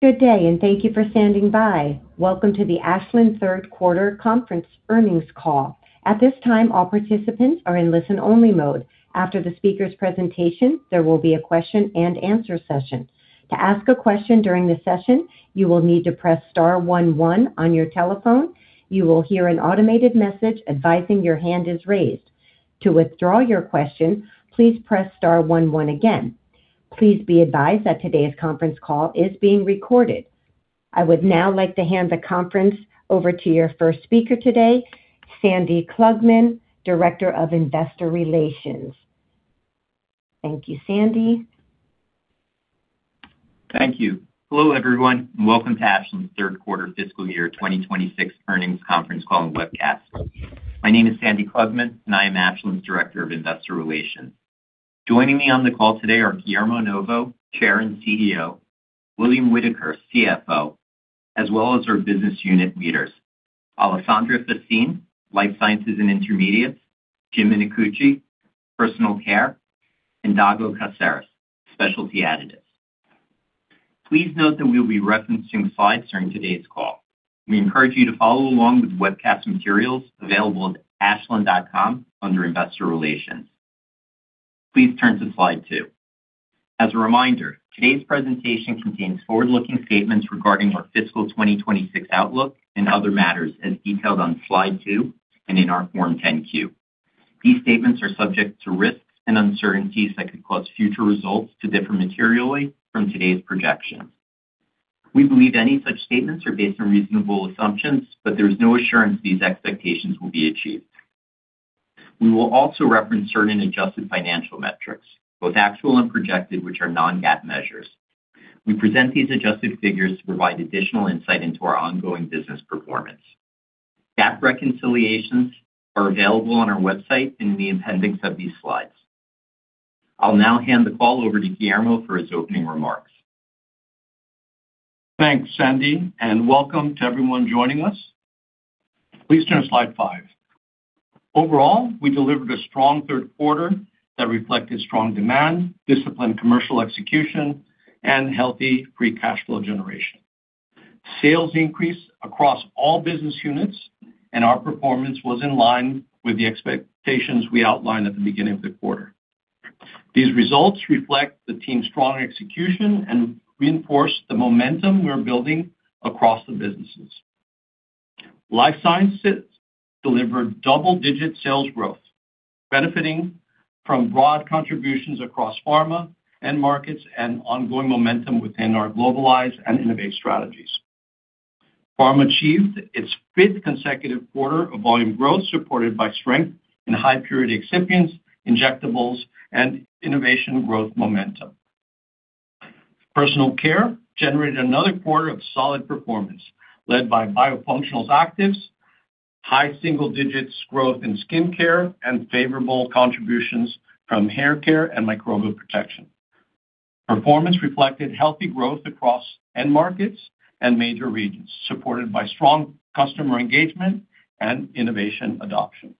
Good day. Thank you for standing by. Welcome to the Ashland third quarter conference earnings call. At this time, all participants are in listen-only mode. After the speaker's presentation, there will be a Q&A session. To ask a question during the session, you will need to press star one one on your telephone. You will hear an automated message advising your hand is raised. To withdraw your question, please press star one one again. Please be advised that today's conference call is being recorded. I would now like to hand the conference over to your first speaker today, Sandy Klugman, Director of Investor Relations. Thank you, Sandy. Thank you. Hello, everyone. Welcome to Ashland's third quarter fiscal year 2026 earnings conference call and webcast. My name is Sandy Klugman. I am Ashland's Director of Investor Relations. Joining me on the call today are Guillermo Novo, Chair and CEO, William Whitaker, CFO, as well as our business unit leaders, Alessandra Faccin, Life Sciences and Intermediates, Jim Minicucci, Personal Care, and Dago Caceres, Specialty Additives. Please note that we will be referencing slides during today's call. We encourage you to follow along with the webcast materials available at ashland.com under Investor Relations. Please turn to slide two. As a reminder, today's presentation contains forward-looking statements regarding our fiscal 2026 outlook and other matters as detailed on slide two and in our Form 10-Q. These statements are subject to risks and uncertainties that could cause future results to differ materially from today's projections. We believe any such statements are based on reasonable assumptions. There's no assurance these expectations will be achieved. We will also reference certain adjusted financial metrics, both actual and projected, which are non-GAAP measures. We present these adjusted figures to provide additional insight into our ongoing business performance. GAAP reconciliations are available on our website in the appendix of these slides. I'll now hand the call over to Guillermo for his opening remarks. Thanks, Sandy. Welcome to everyone joining us. Please turn to slide five. Overall, we delivered a strong third quarter that reflected strong demand, disciplined commercial execution, and healthy free cash flow generation. Sales increased across all business units. Our performance was in line with the expectations we outlined at the beginning of the quarter. These results reflect the team's strong execution and reinforce the momentum we are building across the businesses. Life Sciences delivered double-digit sales growth, benefiting from broad contributions across pharma end markets and ongoing momentum within our globalized and innovate strategies. Pharma achieved its fifth consecutive quarter of volume growth, supported by strength in high-purity excipients, injectables, and innovation growth momentum. Personal Care generated another quarter of solid performance, led by biofunctional actives, high single-digits growth in skincare, and favorable contributions from hair care and Microbial Protection. Performance reflected healthy growth across end markets and major regions, supported by strong customer engagement and innovation adoption.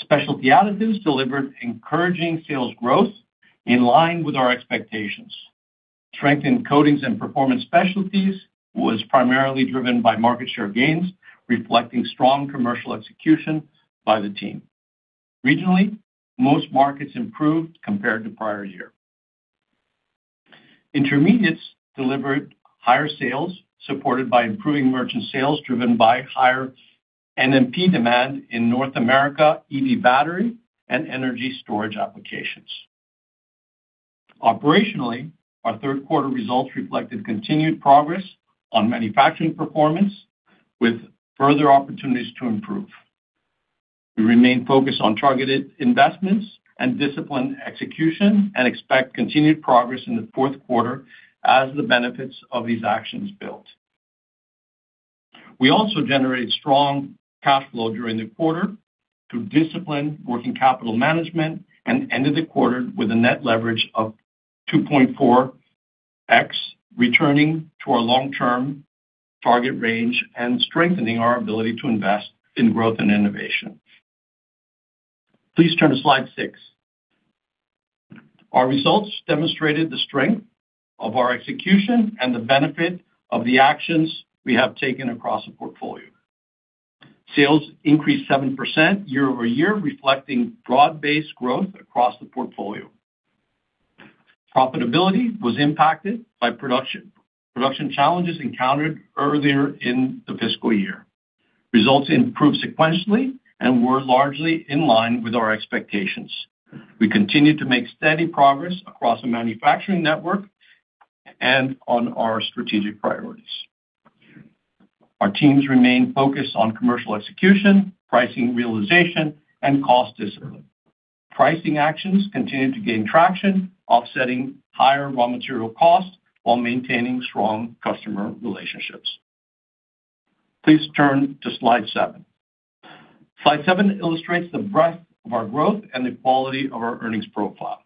Specialty Additives delivered encouraging sales growth in line with our expectations. Strength in coatings and performance specialties was primarily driven by market share gains, reflecting strong commercial execution by the team. Regionally, most markets improved compared to prior year. Intermediates delivered higher sales, supported by improving merchant sales, driven by higher NMP demand in North America, EV battery, and energy storage applications. Operationally, our third quarter results reflected continued progress on manufacturing performance with further opportunities to improve. We remain focused on targeted investments and disciplined execution and expect continued progress in the fourth quarter as the benefits of these actions build. We also generated strong cash flow during the quarter through disciplined working capital management and ended the quarter with a net leverage of 2.4x, returning to our long-term target range and strengthening our ability to invest in growth and innovation. Please turn to slide six. Our results demonstrated the strength of our execution and the benefit of the actions we have taken across the portfolio. Sales increased 7% year-over-year, reflecting broad-based growth across the portfolio. Profitability was impacted by production challenges encountered earlier in the fiscal year. Results improved sequentially and were largely in line with our expectations. We continued to make steady progress across the manufacturing network and on our strategic priorities. Our teams remain focused on commercial execution, pricing realization, and cost discipline. Pricing actions continued to gain traction, offsetting higher raw material costs while maintaining strong customer relationships. Please turn to slide seven. Slide seven illustrates the breadth of our growth and the quality of our earnings profile.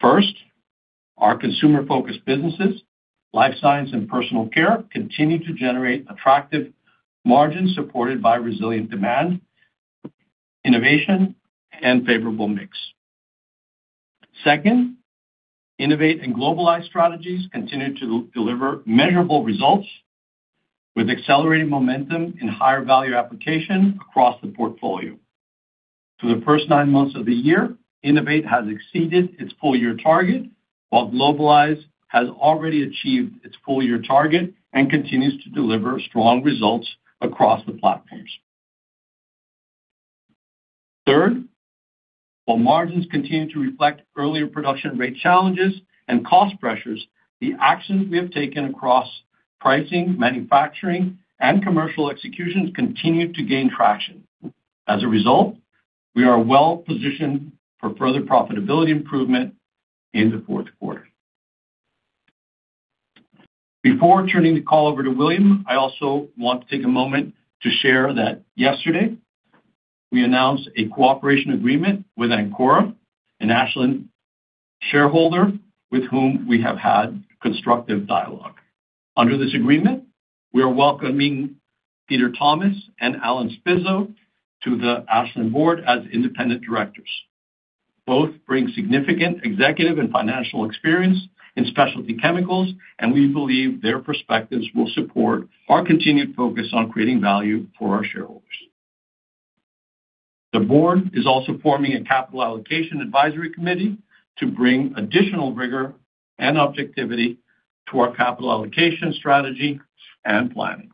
First, our consumer-focused businesses, Life Sciences and Personal Care, continue to generate attractive margins supported by resilient demand, innovation, and favorable mix. Second, Innovate and Globalize strategies continue to deliver measurable results with accelerated momentum in higher value application across the portfolio. Through the first nine months of the year, Innovate has exceeded its full-year target, while Globalize has already achieved its full-year target and continues to deliver strong results across the platforms. Third, while margins continue to reflect earlier production rate challenges and cost pressures, the actions we have taken across pricing, manufacturing, and commercial executions continue to gain traction. As a result, we are well-positioned for further profitability improvement in the fourth quarter. Before turning the call over to William, I also want to take a moment to share that yesterday we announced a cooperation agreement with Ancora, an Ashland shareholder, with whom we have had constructive dialogue. Under this agreement, we are welcoming Peter Thomas and Allen Spizzo to the Ashland board as independent directors. Both bring significant executive and financial experience in specialty chemicals, and we believe their perspectives will support our continued focus on creating value for our shareholders. The board is also forming a capital allocation advisory committee to bring additional rigor and objectivity to our capital allocation strategy and planning.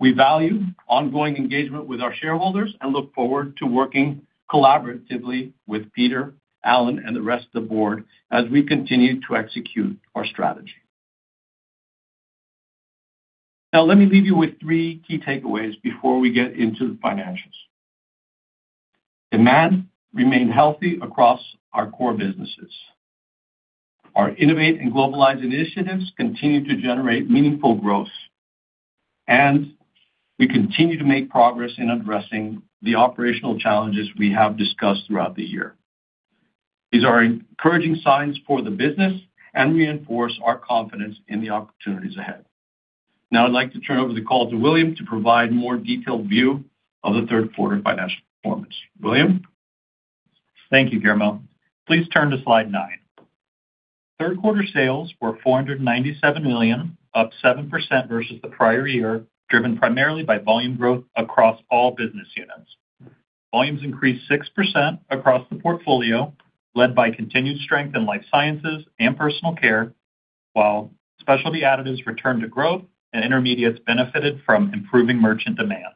We value ongoing engagement with our shareholders and look forward to working collaboratively with Peter, Allen, and the rest of the board as we continue to execute our strategy. Let me leave you with three key takeaways before we get into the financials. Demand remained healthy across our core businesses. Our innovate and globalize initiatives continue to generate meaningful growth, and we continue to make progress in addressing the operational challenges we have discussed throughout the year. These are encouraging signs for the business and reinforce our confidence in the opportunities ahead. Now I'd like to turn over the call to William to provide a more detailed view of the third quarter financial performance. William? Thank you, Guillermo. Please turn to slide nine. Third quarter sales were $497 million, up 7% versus the prior year, driven primarily by volume growth across all business units. Volumes increased 6% across the portfolio, led by continued strength in Life Sciences and Personal Care, while Specialty Additives returned to growth and Intermediates benefited from improving merchant demand.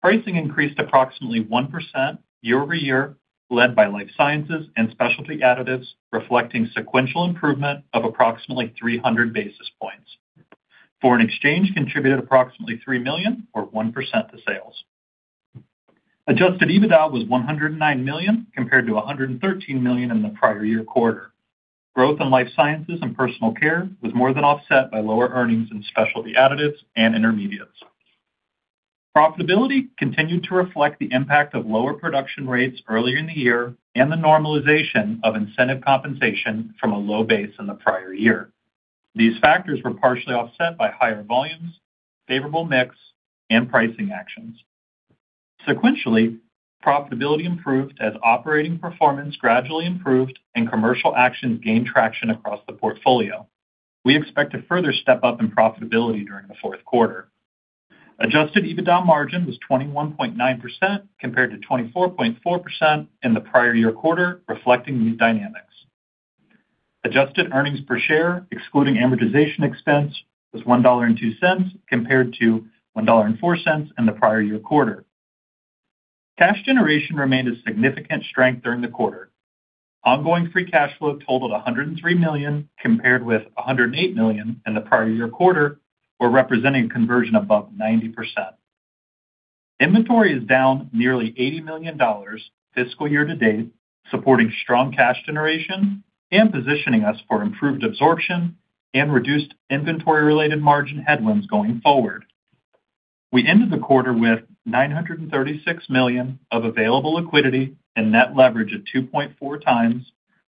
Pricing increased approximately 1% year-over-year, led by Life Sciences and Specialty Additives, reflecting sequential improvement of approximately 300 basis points. Foreign exchange contributed approximately $3 million, or 1%, to sales. Adjusted EBITDA was $109 million, compared to $113 million in the prior year quarter. Growth in Life Sciences and Personal Care was more than offset by lower earnings in Specialty Additives and Intermediates. Profitability continued to reflect the impact of lower production rates earlier in the year and the normalization of incentive compensation from a low base in the prior year. These factors were partially offset by higher volumes, favorable mix, and pricing actions. Sequentially, profitability improved as operating performance gradually improved and commercial actions gained traction across the portfolio. We expect a further step-up in profitability during the fourth quarter. Adjusted EBITDA margin was 21.9%, compared to 24.4% in the prior year quarter, reflecting these dynamics. Adjusted earnings per share, excluding amortization expense, was $1.02 compared to $1.04 in the prior year quarter. Cash generation remained a significant strength during the quarter. Ongoing free cash flow totaled $103 million, compared with $108 million in the prior year quarter, or representing a conversion above 90%. Inventory is down nearly $80 million fiscal year to date, supporting strong cash generation and positioning us for improved absorption and reduced inventory-related margin headwinds going forward. We ended the quarter with $936 million of available liquidity and net leverage of 2.4x,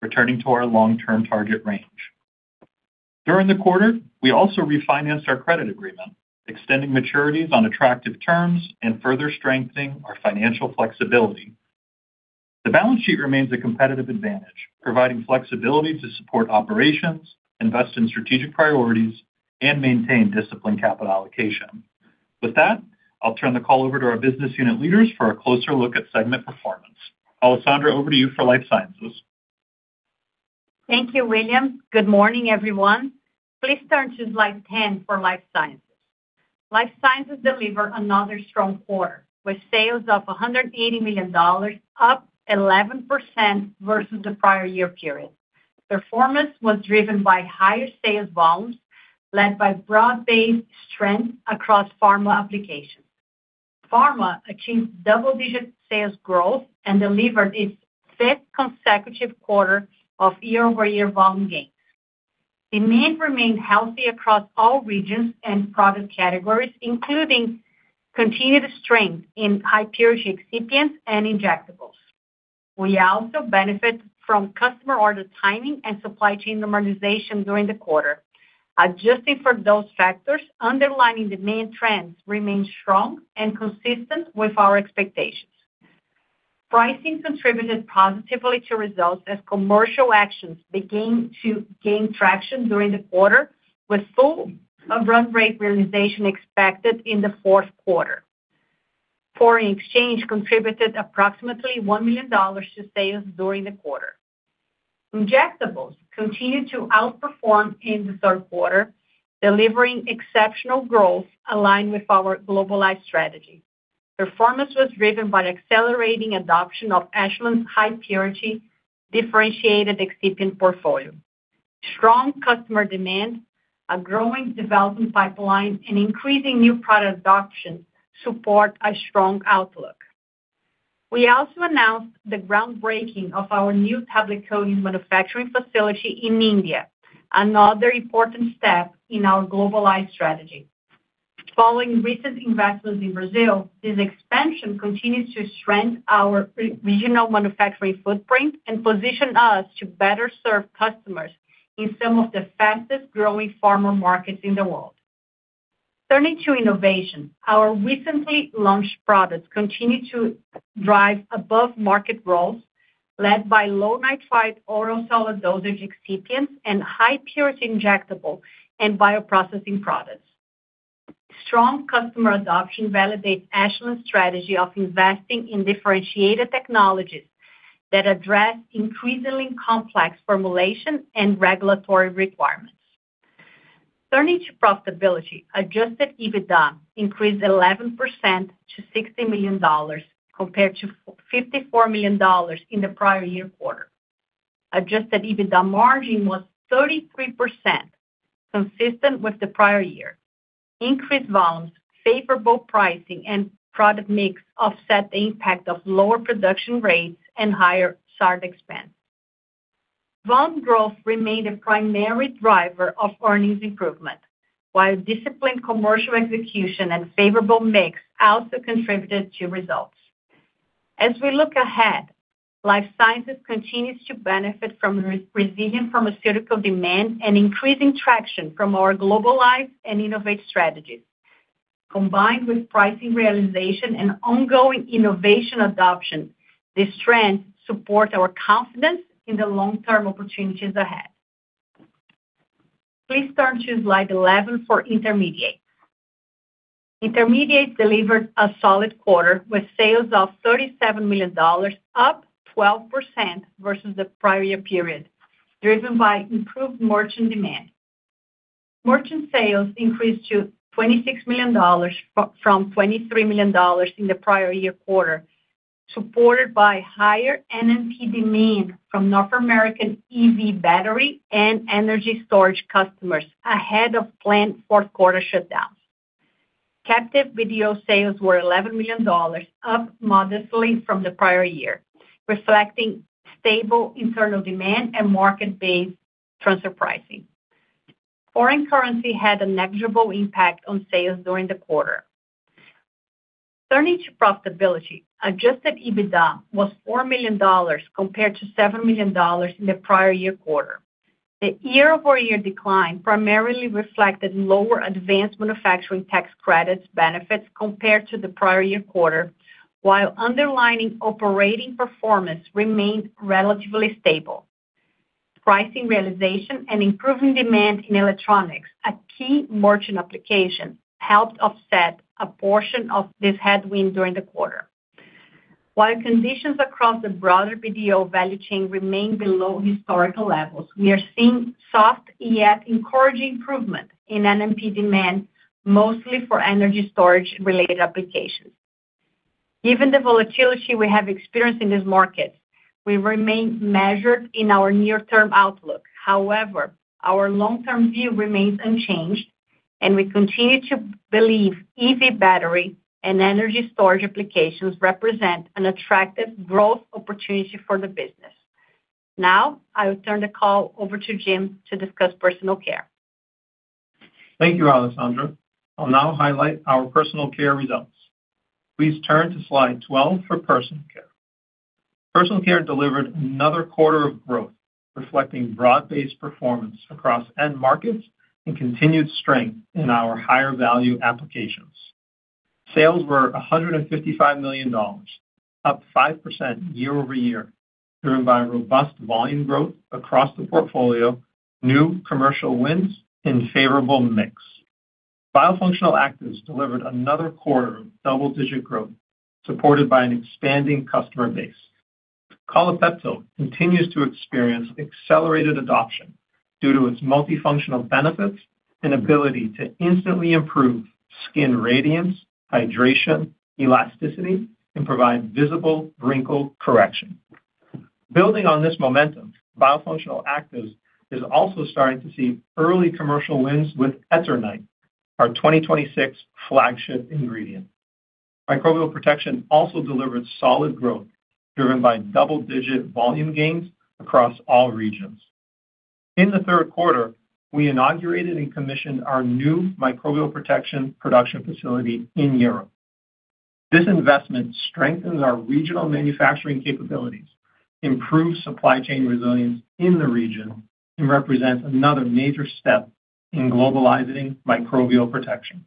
returning to our long-term target range. During the quarter, we also refinanced our credit agreement, extending maturities on attractive terms and further strengthening our financial flexibility. The balance sheet remains a competitive advantage, providing flexibility to support operations, invest in strategic priorities, and maintain disciplined capital allocation. With that, I'll turn the call over to our business unit leaders for a closer look at segment performance. Alessandra, over to you for Life Sciences. Thank you, William. Good morning, everyone. Please turn to slide 10 for Life Sciences. Life Sciences delivered another strong quarter, with sales up $180 million, up 11% versus the prior year period. Performance was driven by higher sales volumes, led by broad-based strength across pharma applications. Pharma achieved double-digit sales growth and delivered its sixth consecutive quarter of year-over-year volume gains. Demand remained healthy across all regions and product categories, including continued strength in high-purity excipients and injectables. We also benefit from customer order timing and supply chain normalization during the quarter. Adjusting for those factors, underlying demand trends remain strong and consistent with our expectations. Pricing contributed positively to results as commercial actions began to gain traction during the quarter with full run rate realization expected in the fourth quarter. Foreign exchange contributed approximately $1 million to sales during the quarter. Injectables continued to outperform in the third quarter, delivering exceptional growth aligned with our globalized strategy. Performance was driven by the accelerating adoption of Ashland's high-purity differentiated excipient portfolio. Strong customer demand, a growing development pipeline, and increasing new product adoption support a strong outlook. We also announced the groundbreaking of our new tablet coating manufacturing facility in India, another important step in our globalized strategy. Following recent investments in Brazil, this expansion continues to strengthen our regional manufacturing footprint and position us to better serve customers in some of the fastest-growing pharma markets in the world. Turning to innovation, our recently launched products continue to drive above-market growth, led by low-nitrite oral solid dosage excipients and high-purity injectable and bioprocessing products. Strong customer adoption validates Ashland's strategy of investing in differentiated technologies that address increasingly complex formulation and regulatory requirements. Turning to profitability, adjusted EBITDA increased 11% to $60 million compared to $54 million in the prior year quarter. Adjusted EBITDA margin was 33%, consistent with the prior year. Increased volumes, favorable pricing, and product mix offset the impact of lower production rates and higher SARD expense. Volume growth remained a primary driver of earnings improvement, while disciplined commercial execution and favorable mix also contributed to results. As we look ahead, Life Sciences continues to benefit from resilient pharmaceutical demand and increasing traction from our globalized and innovative strategies. Combined with pricing realization and ongoing innovation adoption, this trend supports our confidence in the long-term opportunities ahead. Please turn to slide 11 for Intermediates. Intermediates delivered a solid quarter with sales of $37 million, up 12% versus the prior year period, driven by improved merchant demand. Merchant sales increased to $26 million from $23 million in the prior year quarter, supported by higher NMP demand from North American EV battery and energy storage customers ahead of planned fourth quarter shutdowns. Captive BDO sales were $11 million, up modestly from the prior year, reflecting stable internal demand and market-based transfer pricing. Foreign currency had a negligible impact on sales during the quarter. Turning to profitability, adjusted EBITDA was $4 million compared to $7 million in the prior year quarter. The year-over-year decline primarily reflected lower advanced manufacturing tax credits benefits compared to the prior year quarter, while underlying operating performance remained relatively stable. Pricing realization and improving demand in electronics, a key merchant application, helped offset a portion of this headwind during the quarter. While conditions across the broader BDO value chain remain below historical levels, we are seeing soft yet encouraging improvement in NMP demand, mostly for energy storage-related applications. Given the volatility we have experienced in this market, we remain measured in our near-term outlook. However, our long-term view remains unchanged, and we continue to believe EV battery and energy storage applications represent an attractive growth opportunity for the business. I will turn the call over to Jim to discuss Personal Care. Thank you, Alessandra. I'll now highlight our Personal Care results. Please turn to slide 12 for Personal Care. Personal Care delivered another quarter of growth, reflecting broad-based performance across end markets and continued strength in our higher-value applications. Sales were $155 million, up 5% year-over-year, driven by robust volume growth across the portfolio, new commercial wins, and favorable mix. Biofunctional Actives delivered another quarter of double-digit growth, supported by an expanding customer base. Collapeptyl continues to experience accelerated adoption due to its multifunctional benefits and ability to instantly improve skin radiance, hydration, elasticity, and provide visible wrinkle correction. Building on this momentum, Biofunctional Actives is also starting to see early commercial wins with Eternyte, our 2026 flagship ingredient. Microbial Protection also delivered solid growth, driven by double-digit volume gains across all regions. In the third quarter, we inaugurated and commissioned our new Microbial Protection production facility in Europe. This investment strengthens our regional manufacturing capabilities, improves supply chain resilience in the region, and represents another major step in globalizing Microbial Protection.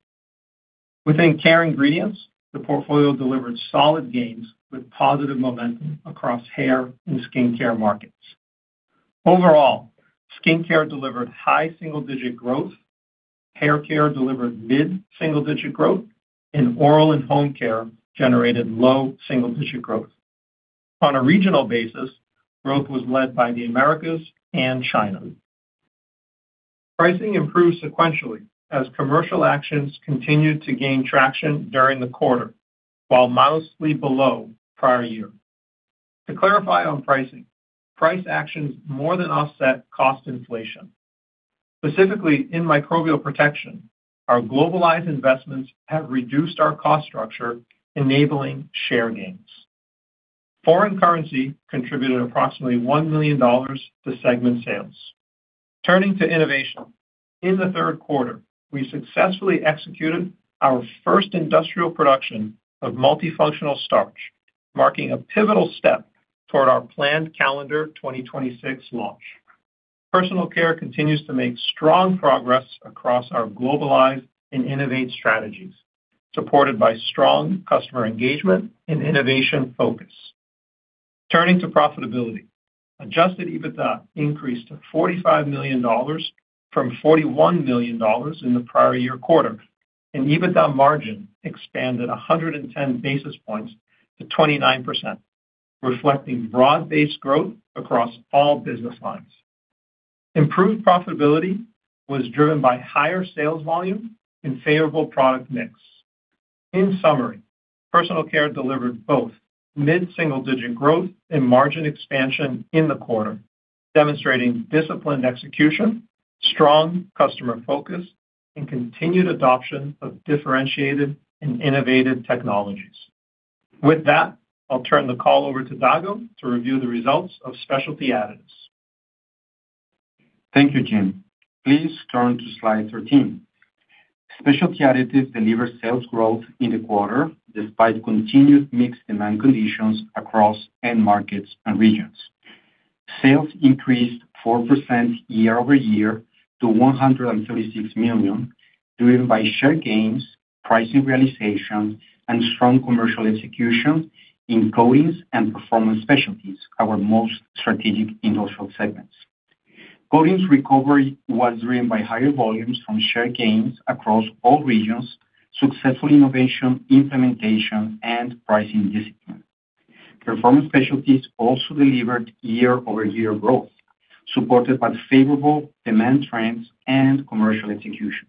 Within care ingredients, the portfolio delivered solid gains with positive momentum across hair and skincare markets. Overall, skincare delivered high single-digit growth, haircare delivered mid-single-digit growth, and oral and home care generated low single-digit growth. On a regional basis, growth was led by the Americas and China. Pricing improved sequentially as commercial actions continued to gain traction during the quarter while modestly below prior year. To clarify on pricing, price actions more than offset cost inflation. Specifically, in Microbial Protection, our globalized investments have reduced our cost structure, enabling share gains. Foreign currency contributed approximately $1 million to segment sales. Turning to innovation. In the third quarter, we successfully executed our first industrial production of Multifunctional Starch, marking a pivotal step toward our planned calendar 2026 launch. Personal Care continues to make strong progress across our globalized and innovate strategies, supported by strong customer engagement and innovation focus. Turning to profitability. Adjusted EBITDA increased to $45 million from $41 million in the prior year quarter, and EBITDA margin expanded 110 basis points to 29%, reflecting broad-based growth across all business lines. Improved profitability was driven by higher sales volume and favorable product mix. In summary, Personal Care delivered both mid-single-digit growth and margin expansion in the quarter, demonstrating disciplined execution, strong customer focus, and continued adoption of differentiated and innovative technologies. With that, I'll turn the call over to Dago to review the results of Specialty Additives. Thank you, Jim. Please turn to slide 13. Specialty Additives delivered sales growth in the quarter despite continued mixed demand conditions across end markets and regions. Sales increased 4% year-over-year to $136 million, driven by share gains, pricing realization, and strong commercial execution in Coatings and Performance Specialties, our most strategic industrial segments. Coatings recovery was driven by higher volumes from share gains across all regions, successful innovation implementation, and pricing discipline. Performance Specialties also delivered year-over-year growth, supported by favorable demand trends and commercial execution.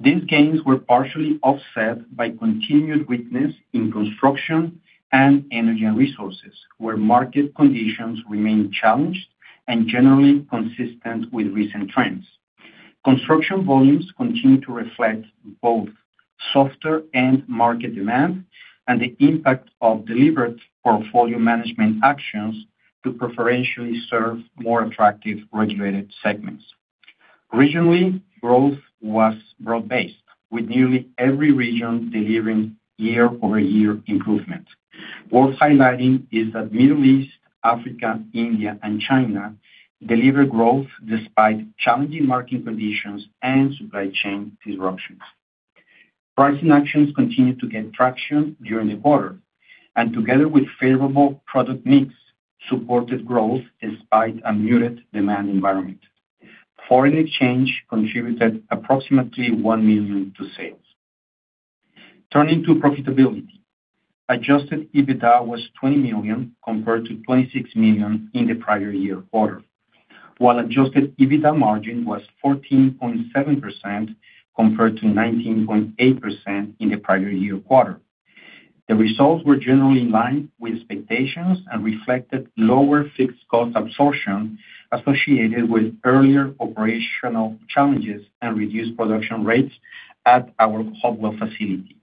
These gains were partially offset by continued weakness in construction and energy and resources, where market conditions remained challenged and generally consistent with recent trends. Construction volumes continue to reflect both softer end market demand and the impact of deliberate portfolio management actions to preferentially serve more attractive regulated segments. Regionally, growth was broad-based, with nearly every region delivering year-over-year improvement. Worth highlighting is that Middle East, Africa, India, and China delivered growth despite challenging market conditions and supply chain disruptions. Pricing actions continued to gain traction during the quarter. Together with favorable product mix, supported growth despite a muted demand environment. Foreign exchange contributed approximately $1 million to sales. Turning to profitability, adjusted EBITDA was $20 million compared to $26 million in the prior year quarter, while adjusted EBITDA margin was 14.7% compared to 19.8% in the prior year quarter. The results were generally in line with expectations and reflected lower fixed cost absorption associated with earlier operational challenges and reduced production rates at our Hopewell facility.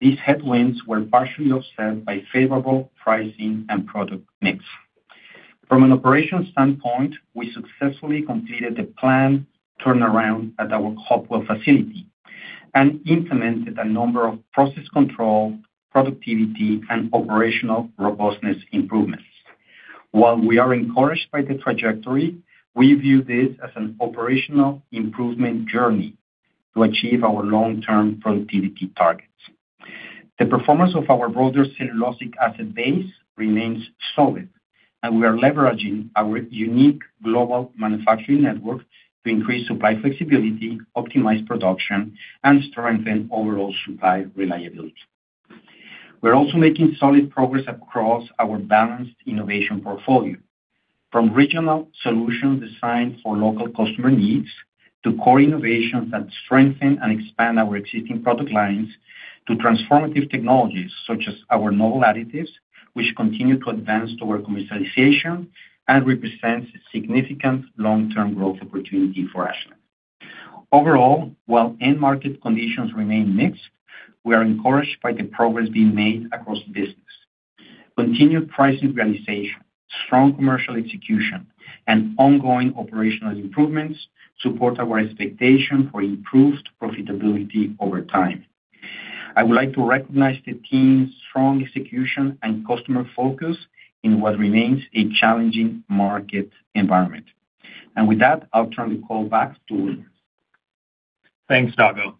These headwinds were partially offset by favorable pricing and product mix. From an operational standpoint, we successfully completed the planned turnaround at our Hopewell facility and implemented a number of process control, productivity, and operational robustness improvements. While we are encouraged by the trajectory, we view this as an operational improvement journey to achieve our long-term productivity targets. The performance of our broader cellulosic asset base remains solid. We are leveraging our unique global manufacturing network to increase supply flexibility, optimize production, and strengthen overall supply reliability. We are also making solid progress across our balanced innovation portfolio, from regional solutions designed for local customer needs, to core innovations that strengthen and expand our existing product lines, to transformative technologies such as our novel additives, which continue to advance toward commercialization and represents a significant long-term growth opportunity for Ashland. Overall, while end market conditions remain mixed, we are encouraged by the progress being made across the business. Continued price realization, strong commercial execution, and ongoing operational improvements support our expectation for improved profitability over time. I would like to recognize the team's strong execution and customer focus in what remains a challenging market environment. With that, I'll turn the call back to William. Thanks, Dago.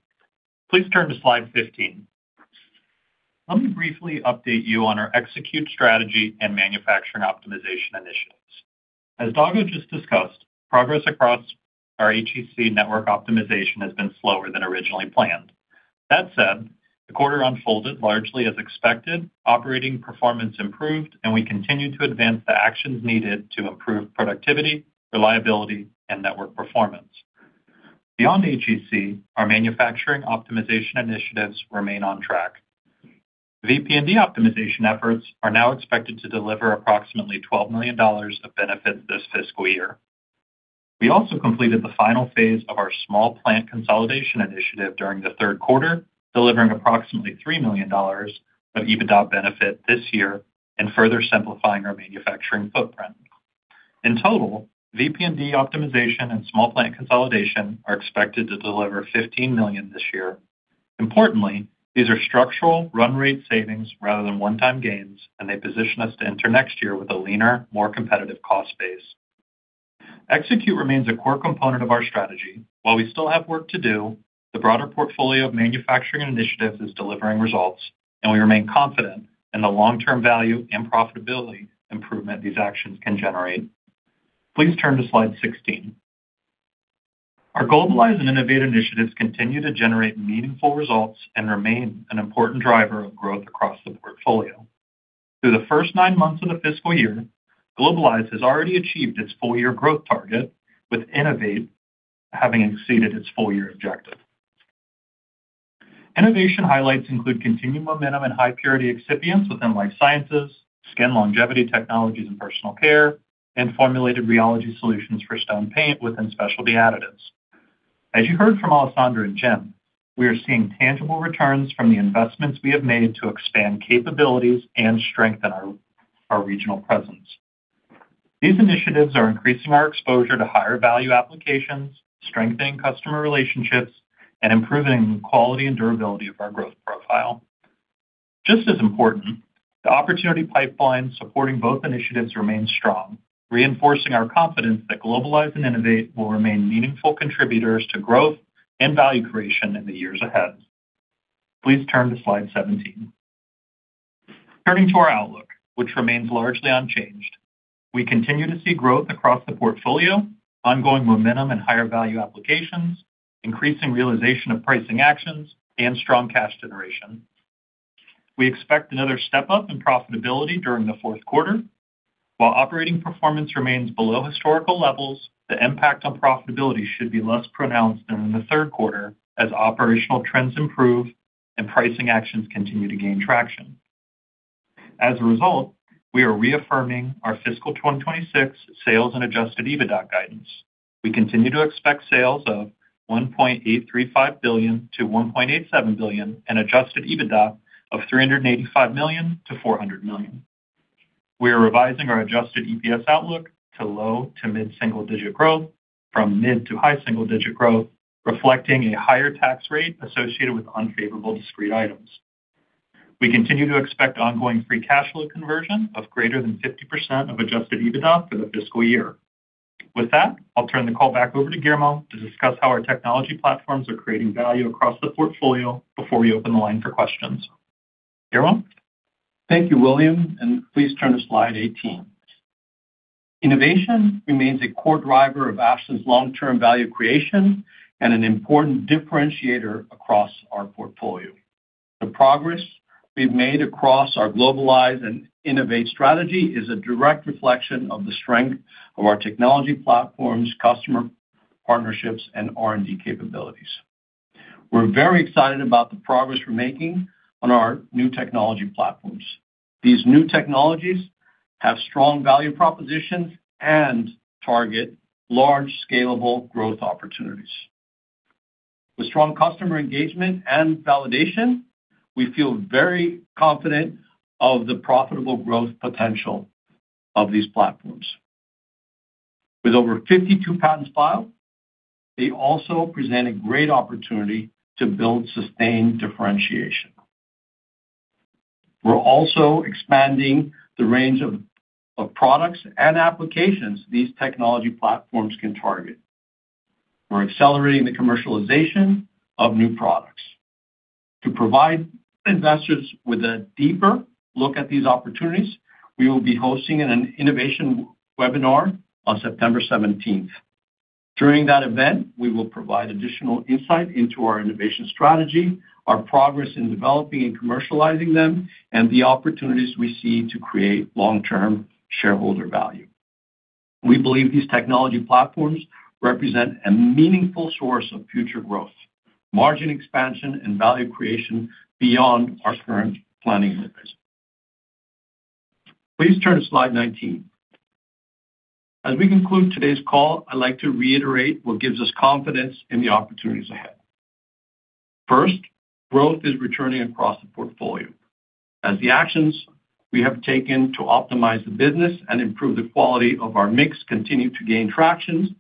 Please turn to slide 15. Let me briefly update you on our Execute strategy and manufacturing optimization initiatives. As Dago just discussed, progress across our HEC network optimization has been slower than originally planned. That said, the quarter unfolded largely as expected, operating performance improved, and we continued to advance the actions needed to improve productivity, reliability, and network performance. Beyond HEC, our manufacturing optimization initiatives remain on track. VP&D optimization efforts are now expected to deliver approximately $12 million of benefits this fiscal year. We also completed the final phase of our small plant consolidation initiative during the third quarter, delivering approximately $3 million of EBITDA benefit this year and further simplifying our manufacturing footprint. In total, VP&D optimization and small plant consolidation are expected to deliver $15 million this year. Importantly, these are structural run rate savings rather than one-time gains, they position us to enter next year with a leaner, more competitive cost base. Execute remains a core component of our strategy. While we still have work to do, the broader portfolio of manufacturing initiatives is delivering results, we remain confident in the long-term value and profitability improvement these actions can generate. Please turn to slide 16. Our Globalize and Innovate initiatives continue to generate meaningful results and remain an important driver of growth across the portfolio. Through the first nine months of the fiscal year, Globalize has already achieved its full-year growth target, with Innovate having exceeded its full-year objective. Innovation highlights include continued momentum and high purity excipients within Life Sciences, skin longevity technologies and Personal Care, and formulated rheology solutions for stone paint within Specialty Additives. As you heard from Alessandra and Jim, we are seeing tangible returns from the investments we have made to expand capabilities and strengthen our regional presence. These initiatives are increasing our exposure to higher value applications, strengthening customer relationships, and improving quality and durability of our growth profile. Just as important, the opportunity pipeline supporting both initiatives remains strong, reinforcing our confidence that Globalize and Innovate will remain meaningful contributors to growth and value creation in the years ahead. Please turn to slide 17. Turning to our outlook, which remains largely unchanged. We continue to see growth across the portfolio, ongoing momentum and higher value applications, increasing realization of pricing actions, and strong cash generation. We expect another step-up in profitability during the fourth quarter. While operating performance remains below historical levels, the impact on profitability should be less pronounced than in the third quarter as operational trends improve and pricing actions continue to gain traction. As a result, we are reaffirming our fiscal 2026 sales and adjusted EBITDA guidance. We continue to expect sales of $1.835 billion-$1.87 billion and adjusted EBITDA of $385 million-$400 million. We are revising our adjusted EPS outlook to low to mid-single digit growth from mid to high single digit growth, reflecting a higher tax rate associated with unfavorable discrete items. We continue to expect ongoing free cash flow conversion of greater than 50% of adjusted EBITDA for the fiscal year. With that, I'll turn the call back over to Guillermo to discuss how our technology platforms are creating value across the portfolio before we open the line for questions. Guillermo? Thank you, William, and please turn to slide 18. Innovation remains a core driver of Ashland's long-term value creation and an important differentiator across our portfolio. The progress we've made across our Globalize and Innovate strategy is a direct reflection of the strength of our technology platforms, customer partnerships, and R&D capabilities. We're very excited about the progress we're making on our new technology platforms. These new technologies have strong value propositions and target large, scalable growth opportunities. With strong customer engagement and validation, we feel very confident of the profitable growth potential of these platforms. With over 52 patents filed, they also present a great opportunity to build sustained differentiation. We're also expanding the range of products and applications these technology platforms can target. We're accelerating the commercialization of new products. To provide investors with a deeper look at these opportunities, we will be hosting an innovation webinar on September 17th. During that event, we will provide additional insight into our innovation strategy, our progress in developing and commercializing them, and the opportunities we see to create long-term shareholder value. We believe these technology platforms represent a meaningful source of future growth, margin expansion, and value creation beyond our current planning horizon. Please turn to slide 19. As we conclude today's call, I'd like to reiterate what gives us confidence in the opportunities ahead. First, growth is returning across the portfolio. As the actions we have taken to optimize the business and improve the quality of our mix continue to gain traction,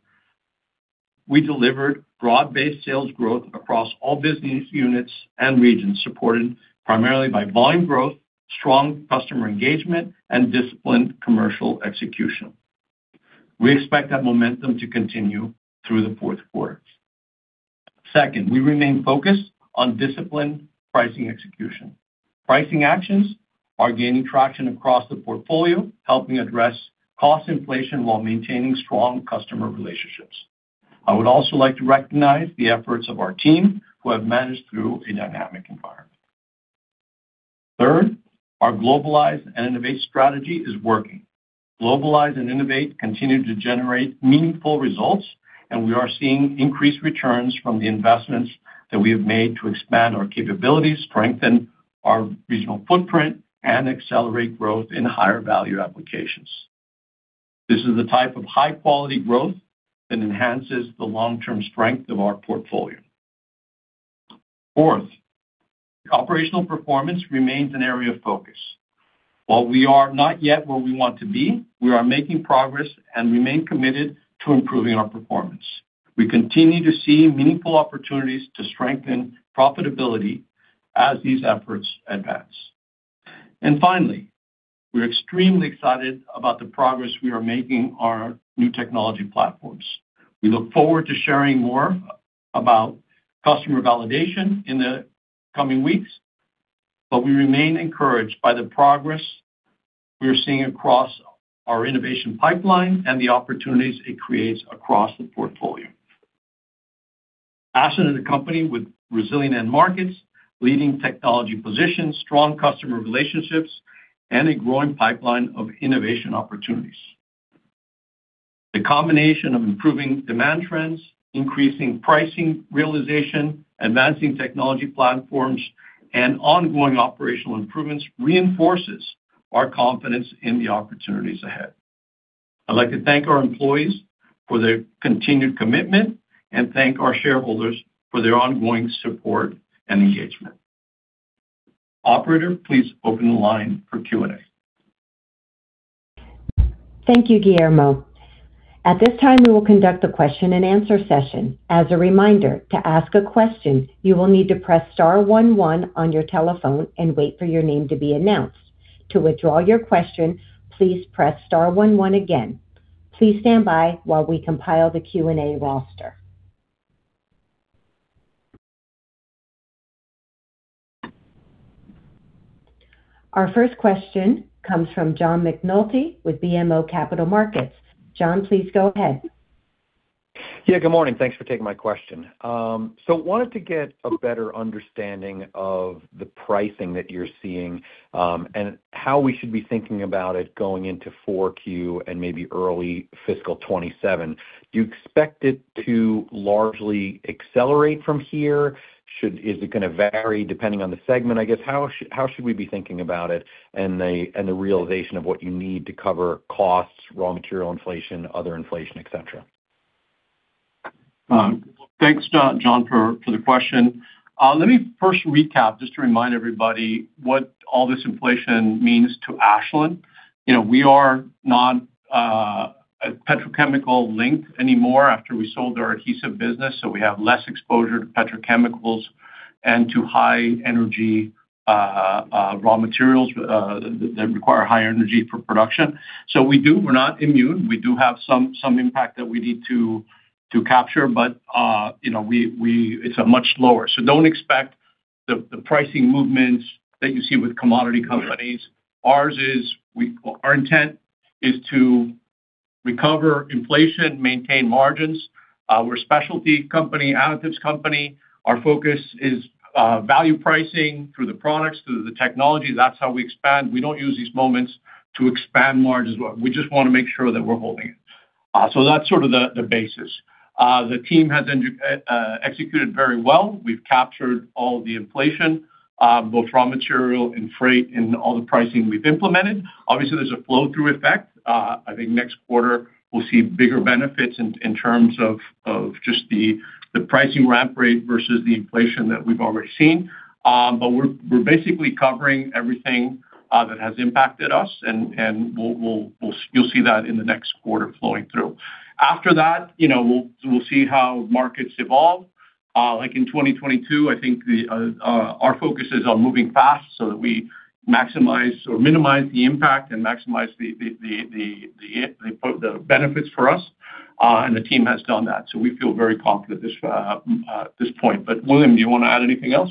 we delivered broad-based sales growth across all business units and regions, supported primarily by volume growth, strong customer engagement, and disciplined commercial execution. We expect that momentum to continue through the fourth quarter. Second, we remain focused on disciplined pricing execution. Pricing actions are gaining traction across the portfolio, helping address cost inflation while maintaining strong customer relationships. I would also like to recognize the efforts of our team who have managed through a dynamic environment. Third, our Globalize and Innovate strategy is working. Globalize and Innovate continue to generate meaningful results, and we are seeing increased returns from the investments that we have made to expand our capabilities, strengthen our regional footprint, and accelerate growth in higher-value applications. This is the type of high-quality growth that enhances the long-term strength of our portfolio. Fourth, operational performance remains an area of focus. While we are not yet where we want to be, we are making progress and remain committed to improving our performance. We continue to see meaningful opportunities to strengthen profitability as these efforts advance. Finally, we are extremely excited about the progress we are making on our new technology platforms. We look forward to sharing more about customer validation in the coming weeks, but we remain encouraged by the progress we are seeing across our innovation pipeline and the opportunities it creates across the portfolio. Ashland is a company with resilient end markets, leading technology positions, strong customer relationships, and a growing pipeline of innovation opportunities. The combination of improving demand trends, increasing pricing realization, advancing technology platforms, and ongoing operational improvements reinforces our confidence in the opportunities ahead. I'd like to thank our employees for their continued commitment and thank our shareholders for their ongoing support and engagement. Operator, please open the line for Q&A. Thank you, Guillermo. At this time, we will conduct a Q&A session. As a reminder, to ask a question, you will need to press star one one on your telephone and wait for your name to be announced. To withdraw your question, please press star one one again. Please stand by while we compile the Q&A roster. Our first question comes from John McNulty with BMO Capital Markets. John, please go ahead. Yeah, good morning. Thanks for taking my question. Wanted to get a better understanding of the pricing that you're seeing, and how we should be thinking about it going into 4Q and maybe early fiscal 2027. Do you expect it to largely accelerate from here? Is it going to vary depending on the segment, I guess? How should we be thinking about it and the realization of what you need to cover costs, raw material inflation, other inflation, et cetera? Thanks, John, for the question. Let me first recap, just to remind everybody what all this inflation means to Ashland. We are not a petrochemical link anymore after we sold our adhesive business, so we have less exposure to petrochemicals and to high energy raw materials that require high energy for production. We're not immune. We do have some impact that we need to capture, but it's much lower. Don't expect the pricing movements that you see with commodity companies. Our intent is to recover inflation, maintain margins. We're a specialty company, additives company. Our focus is value pricing through the products, through the technology. That's how we expand. We don't use these moments to expand margins. We just want to make sure that we're holding it. That's sort of the basis. The team has executed very well. We've captured all the inflation, both raw material and freight, and all the pricing we've implemented. Obviously, there's a flow-through effect. I think next quarter we'll see bigger benefits in terms of just the pricing ramp rate versus the inflation that we've already seen. We're basically covering everything that has impacted us, and you'll see that in the next quarter flowing through. After that, we'll see how markets evolve. Like in 2022, I think our focus is on moving fast so that we minimize the impact and maximize the benefits for us. The team has done that, so we feel very confident at this point. William, do you want to add anything else?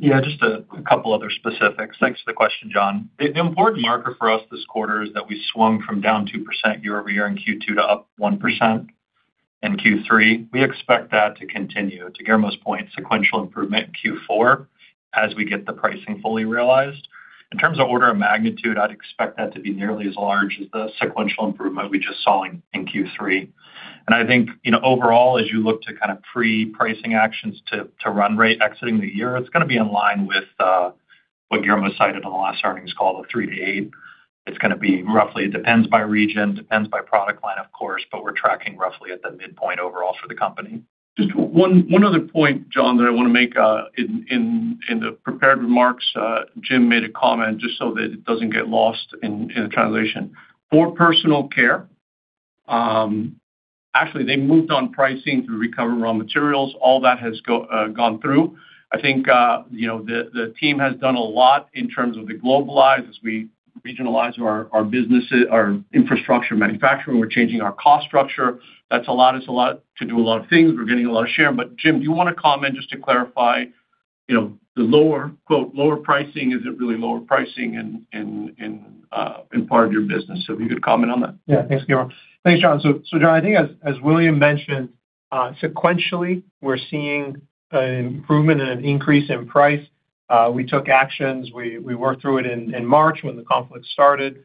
Just a couple other specifics. Thanks for the question, John. The important marker for us this quarter is that we swung from down 2% year-over-year in Q2 to up 1% in Q3. We expect that to continue. To Guillermo's point, sequential improvement Q4 as we get the pricing fully realized. In terms of order of magnitude, I'd expect that to be nearly as large as the sequential improvement we just saw in Q3. I think, overall, as you look to kind of pre-pricing actions to run rate exiting the year, it's going to be in line with What Guillermo cited on the last earnings call of three to eight, it's going to be roughly, it depends by region, depends by product line, of course, but we're tracking roughly at the midpoint overall for the company. Just one other point, John, that I want to make. In the prepared remarks, Jim made a comment just so that it doesn't get lost in the translation. For Personal Care, actually, they moved on pricing to recover raw materials. All that has gone through. I think the team has done a lot in terms of the globalize as we regionalize our businesses, our infrastructure manufacturing. We're changing our cost structure. That's allowed us a lot to do a lot of things. We're getting a lot of share. Jim, do you want to comment just to clarify, the quote, "lower pricing," is it really lower pricing in part of your business? If you could comment on that. Thanks, Guillermo. Thanks, John. John, I think as William mentioned, sequentially, we're seeing an improvement and an increase in price. We took actions. We worked through it in March when the conflict started.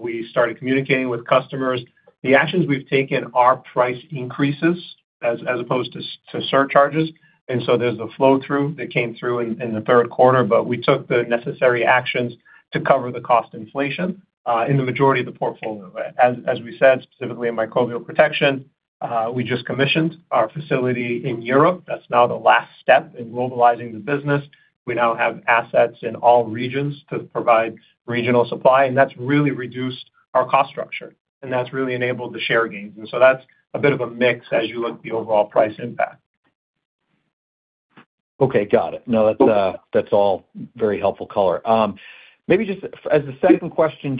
We started communicating with customers. The actions we've taken are price increases as opposed to surcharges, there's the flow-through that came through in the third quarter, but we took the necessary actions to cover the cost inflation in the majority of the portfolio. As we said, specifically in Microbial Protection, we just commissioned our facility in Europe. That's now the last step in globalizing the business. We now have assets in all regions to provide regional supply, that's really reduced our cost structure, and that's really enabled the share gains. That's a bit of a mix as you look at the overall price impact. Okay, got it. That's all very helpful color. Just as the second question,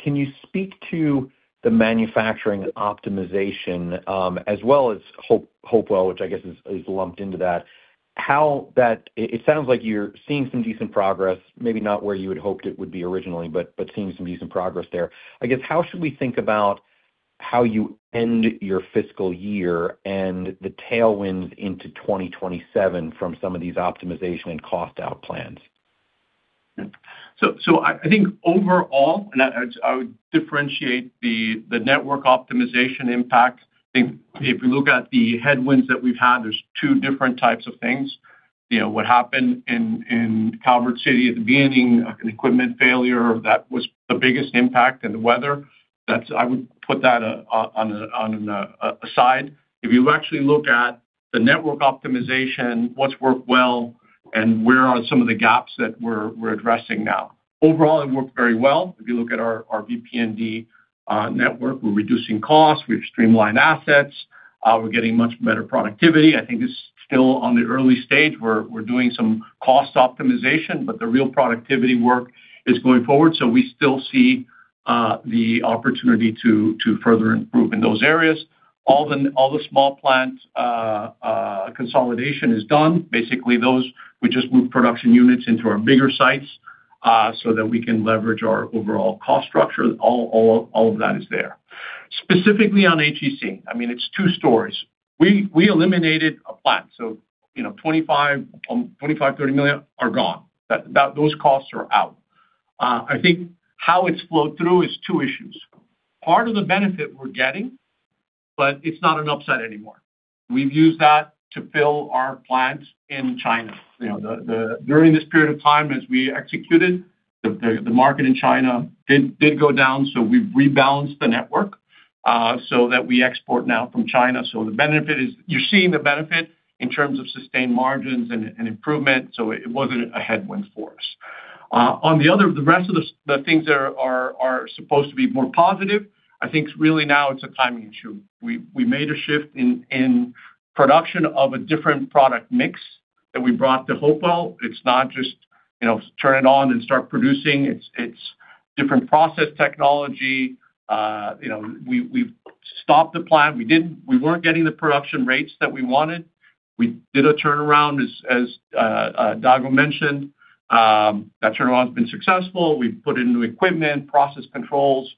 can you speak to the manufacturing optimization, as well as Hopewell, which I guess is lumped into that. It sounds like you're seeing some decent progress, maybe not where you had hoped it would be originally, but seeing some decent progress there. How should we think about how you end your fiscal year and the tailwinds into 2027 from some of these optimization and cost out plans? I think overall, I would differentiate the network optimization impact. I think if we look at the headwinds that we've had, there's two different types of things. What happened in Calvert City at the beginning, an equipment failure, that was the biggest impact, and the weather. I would put that on a side. If you actually look at the network optimization, what's worked well and where are some of the gaps that we're addressing now. Overall, it worked very well. If you look at our VP&D network, we're reducing costs, we've streamlined assets, we're getting much better productivity. I think it's still on the early stage. We're doing some cost optimization, but the real productivity work is going forward, so we still see the opportunity to further improve in those areas. All the small plant consolidation is done. We just moved production units into our bigger sites so that we can leverage our overall cost structure. That is there. Specifically on HEC, it's two stories. We eliminated a plant, $25 million-$30 million are gone. Costs are out. I think how it's flowed through is two issues. Part of the benefit we're getting, it's not an upset anymore. We've used that to fill our plants in China. During this period of time as we executed, the market in China did go down, we've rebalanced the network, that we export now from China. You're seeing the benefit in terms of sustained margins and improvement, it wasn't a headwind for us. The rest of the things that are supposed to be more positive, I think really now it's a timing issue. We made a shift in production of a different product mix that we brought to Hopewell. It's not just turn it on and start producing. It's different process technology. We've stopped the plant. We weren't getting the production rates that we wanted. We did a turnaround, as Dago mentioned. That turnaround's been successful. We've put in new equipment, process controls,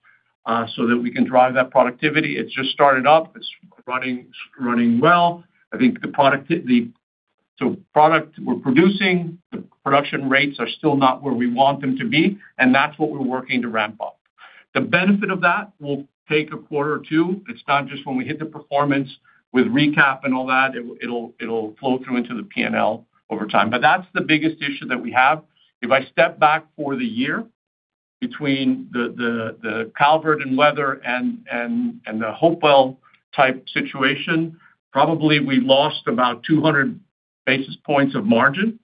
that we can drive that productivity. It's just started up. It's running well. I think the product we're producing, the production rates are still not where we want them to be, and that's what we're working to ramp up. The benefit of that will take a quarter or two. It's not just when we hit the performance with recap and all that. It'll flow through into the P&L over time. That's the biggest issue that we have. If I step back for the year, between the Calvert and weather and the Hopewell type situation, probably we lost about 200 basis points of margin.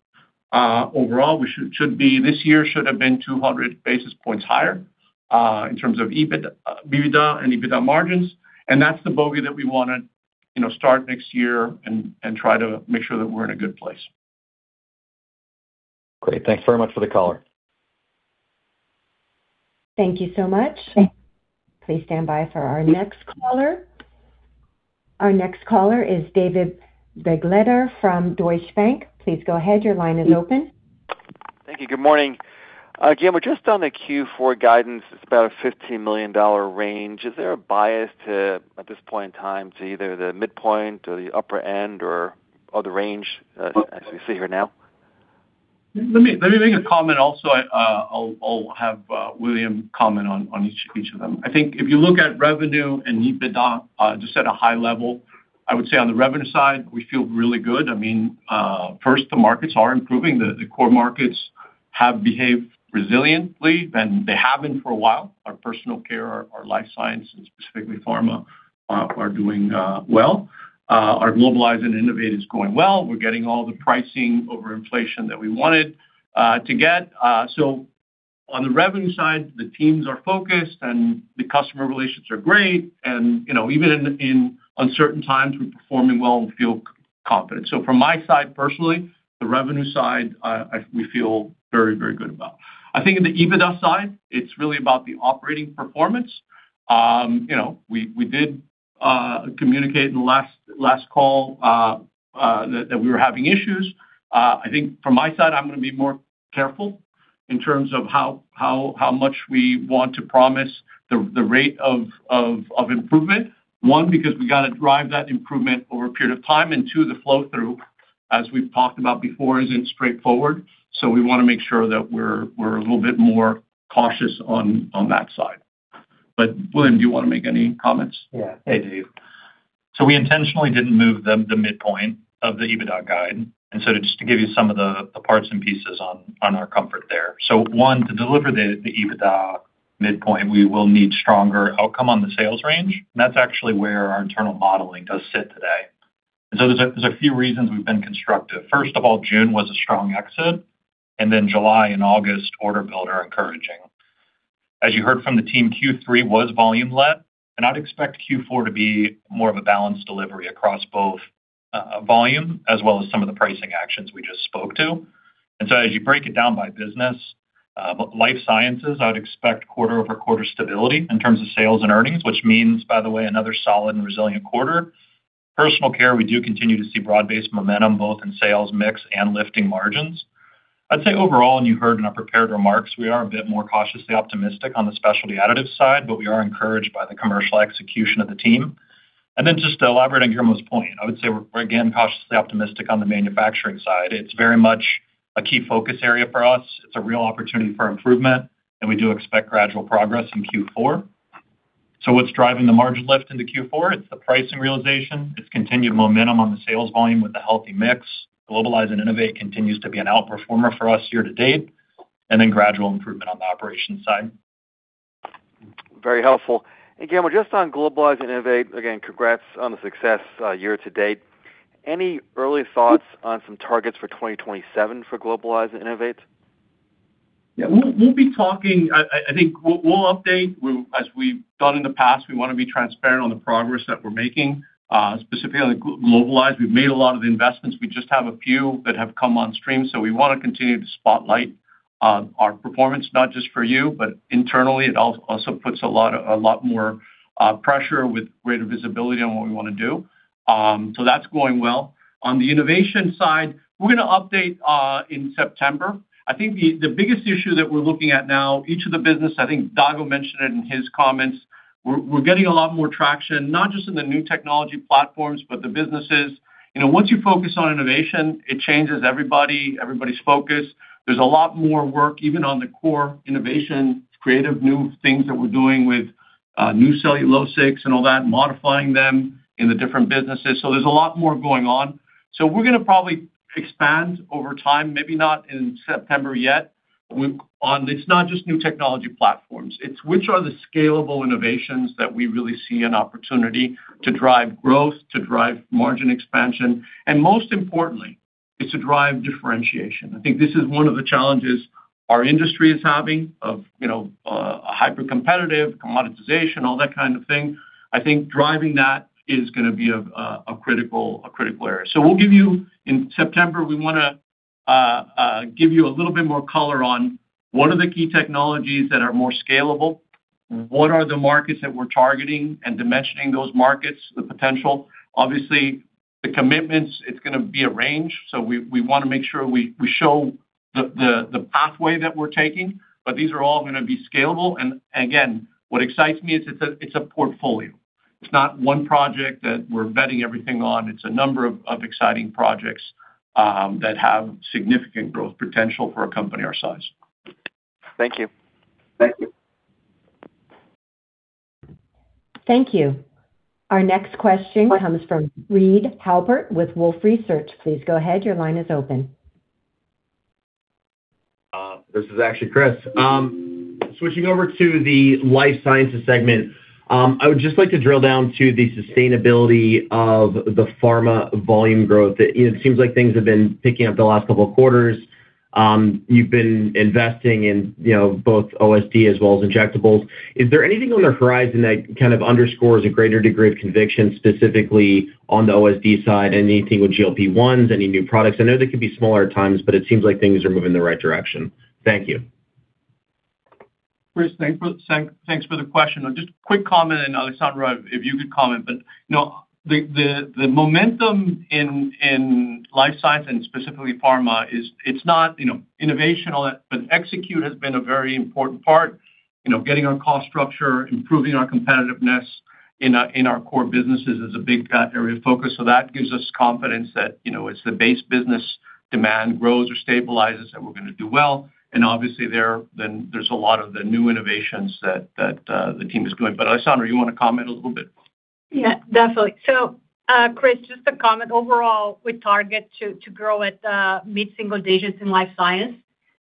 Overall, this year should have been 200 basis points higher, in terms of EBITDA and EBITDA margins, and that's the bogey that we want to start next year and try to make sure that we're in a good place. Great. Thanks very much for the color. Thank you so much. Please stand by for our next caller. Our next caller is David Begleiter from Deutsche Bank. Please go ahead. Your line is open. Thank you. Good morning. Guillermo, just on the Q4 guidance, it's about a $15 million range. Is there a bias to, at this point in time, to either the midpoint or the upper end or the range as we sit here now? Let me make a comment also. I'll have William comment on each of them. I think if you look at revenue and EBITDA, just at a high level, I would say on the revenue side, we feel really good. First, the markets are improving. The core markets have behaved resiliently, and they have been for a while. Our Personal Care, our Life Sciences, specifically pharma, are doing well. Our globalize and innovate is going well. We're getting all the pricing over inflation that we wanted to get. On the revenue side, the teams are focused, and the customer relationships are great. Even in uncertain times, we're performing well and feel confident. From my side personally, the revenue side, we feel very, very good about. I think in the EBITDA side, it's really about the operating performance. We did communicate in the last call that we were having issues. I think from my side, I'm going to be more careful in terms of how much we want to promise the rate of improvement. One, because we got to drive that improvement over a period of time, and two, the flow-through, as we've talked about before, isn't straightforward. We want to make sure that we're a little bit more cautious on that side. William, do you want to make any comments? Yeah. Hey, Dave. We intentionally didn't move the midpoint of the EBITDA guide. Just to give you some of the parts and pieces on our comfort there. One, to deliver the EBITDA midpoint, we will need stronger outcome on the sales range, and that's actually where our internal modeling does sit today. There's a few reasons we've been constructive. First of all, June was a strong exit, and then July and August order build are encouraging. As you heard from the team, Q3 was volume-led, and I'd expect Q4 to be more of a balanced delivery across both volume as well as some of the pricing actions we just spoke to. As you break it down by business, Life Sciences, I would expect quarter-over-quarter stability in terms of sales and earnings, which means, by the way, another solid and resilient quarter. Personal Care, we do continue to see broad-based momentum both in sales mix and lifting margins. I'd say overall, and you heard in our prepared remarks, we are a bit more cautiously optimistic on the Specialty Additives side, but we are encouraged by the commercial execution of the team. Just to elaborate on Guillermo's point, I would say we're again cautiously optimistic on the manufacturing side. It's very much a key focus area for us. It's a real opportunity for improvement, and we do expect gradual progress in Q4. What's driving the margin lift into Q4? It's the pricing realization. It's continued momentum on the sales volume with a healthy mix. Globalize and innovate continues to be an outperformer for us year to date, and then gradual improvement on the operations side. Very helpful. Guillermo, just on Globalize and Innovate, again, congrats on the success year-to-date. Any early thoughts on some targets for 2027 for Globalize and Innovate? We'll update as we've done in the past. We want to be transparent on the progress that we're making, specifically Globalize. We've made a lot of investments. We just have a few that have come on stream, so we want to continue to spotlight our performance, not just for you, but internally, it also puts a lot more pressure with greater visibility on what we want to do. That's going well. On the innovation side, we're going to update in September. I think the biggest issue that we're looking at now, each of the businesses, I think Dago mentioned it in his comments. We're getting a lot more traction, not just in the new technology platforms, but the businesses. Once you focus on innovation, it changes everybody's focused. There's a lot more work, even on the core innovation, creative new things that we're doing with new cellulosics and all that, modifying them in the different businesses. There's a lot more going on. We're going to probably expand over time, maybe not in September yet. It's not just new technology platforms. It's which are the scalable innovations that we really see an opportunity to drive growth, to drive margin expansion, and most importantly, is to drive differentiation. I think this is one of the challenges our industry is having of a hyper-competitive commoditization, all that kind of thing. I think driving that is going to be a critical area. In September, we want to give you a little bit more color on what are the key technologies that are more scalable. What are the markets that we're targeting and dimensioning those markets, the potential. Obviously, the commitments, it's going to be a range. We want to make sure we show the pathway that we're taking, but these are all going to be scalable, and again, what excites me is it's a portfolio. It's not one project that we're vetting everything on. It's a number of exciting projects that have significant growth potential for a company our size. Thank you. Thank you. Thank you. Our next question comes from Reed Halpert with Wolfe Research. Please go ahead. Your line is open. This is actually Chris. Switching over to the Life Sciences segment, I would just like to drill down to the sustainability of the pharma volume growth. It seems like things have been picking up the last couple of quarters. You've been investing in both OSD as well as injectables. Is there anything on the horizon that kind of underscores a greater degree of conviction, specifically on the OSD side? Anything with GLP-1s, any new products? I know they can be smaller at times, but it seems like things are moving in the right direction. Thank you. Chris, thanks for the question. Just a quick comment, and Alessandra, if you could comment, but the momentum in Life Sciences and specifically pharma is it's not innovational, but execute has been a very important part. Getting our cost structure, improving our competitiveness in our core businesses is a big area of focus. That gives us confidence that as the base business demand grows or stabilizes, that we're going to do well. Obviously, then there's a lot of the new innovations that the team is doing. Alessandra, you want to comment a little bit? Yeah, definitely. Chris, just a comment. Overall, we target to grow at mid-single digits in Life Sciences,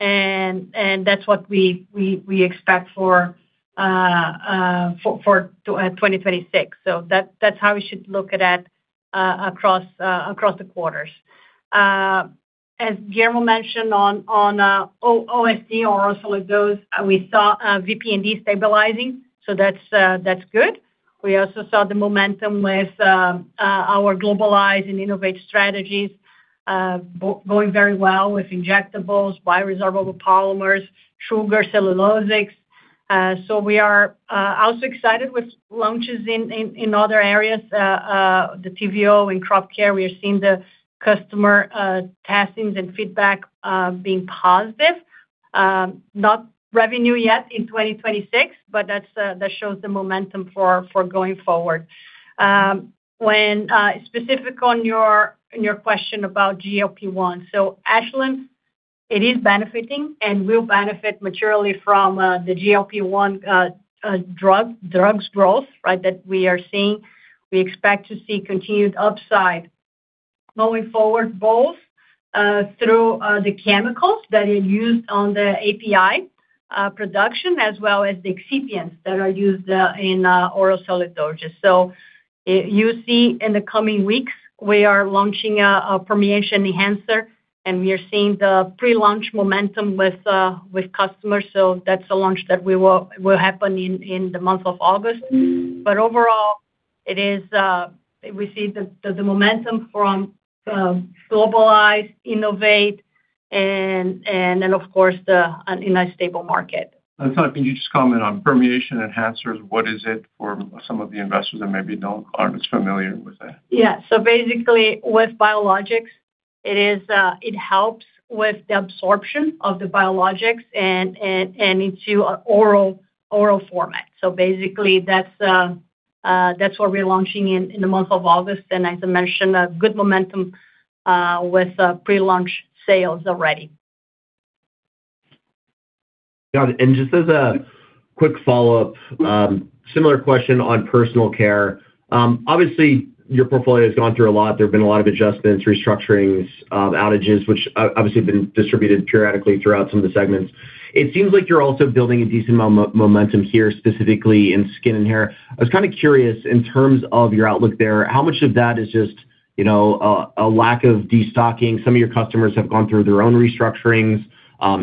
and that's what we expect for 2026. That's how we should look at that across the quarters. As Guillermo mentioned on OSD, oral solid dose, we saw VP&D stabilizing, so that's good. We also saw the momentum with our globalize and innovate strategies going very well with injectables, bioresorbable polymers, sugar, cellulosics. We are also excited with launches in other areas. The TVO and crop care, we are seeing the customer testings and feedback being positive. Not revenue yet in 2026, but that shows the momentum for going forward. When specific on your question about GLP-1, Ashland, it is benefiting and will benefit materially from the GLP-1 drugs growth that we are seeing. We expect to see continued upside moving forward, both through the chemicals that are used on the API production as well as the excipients that are used in oral solid dosage. You see in the coming weeks, we are launching a permeation enhancer, and we are seeing the pre-launch momentum with customers. That's a launch that will happen in the month of August. Overall, we see the momentum from globalize, innovate, and then of course, in a stable market. Finally, can you just comment on permeation enhancers? What is it for some of the investors that maybe aren't as familiar with that? Yeah. Basically, with biologics, it helps with the absorption of the biologics and into an oral format. Basically, that's what we're launching in the month of August. As I mentioned, a good momentum with pre-launch sales already. Got it. Just as a quick follow-up, similar question on Personal Care. Obviously, your portfolio's gone through a lot. There've been a lot of adjustments, restructurings, outages, which obviously have been distributed periodically throughout some of the segments. It seems like you're also building a decent amount of momentum here, specifically in skin and hair. I was kind of curious, in terms of your outlook there, how much of that is just a lack of destocking? Some of your customers have gone through their own restructurings,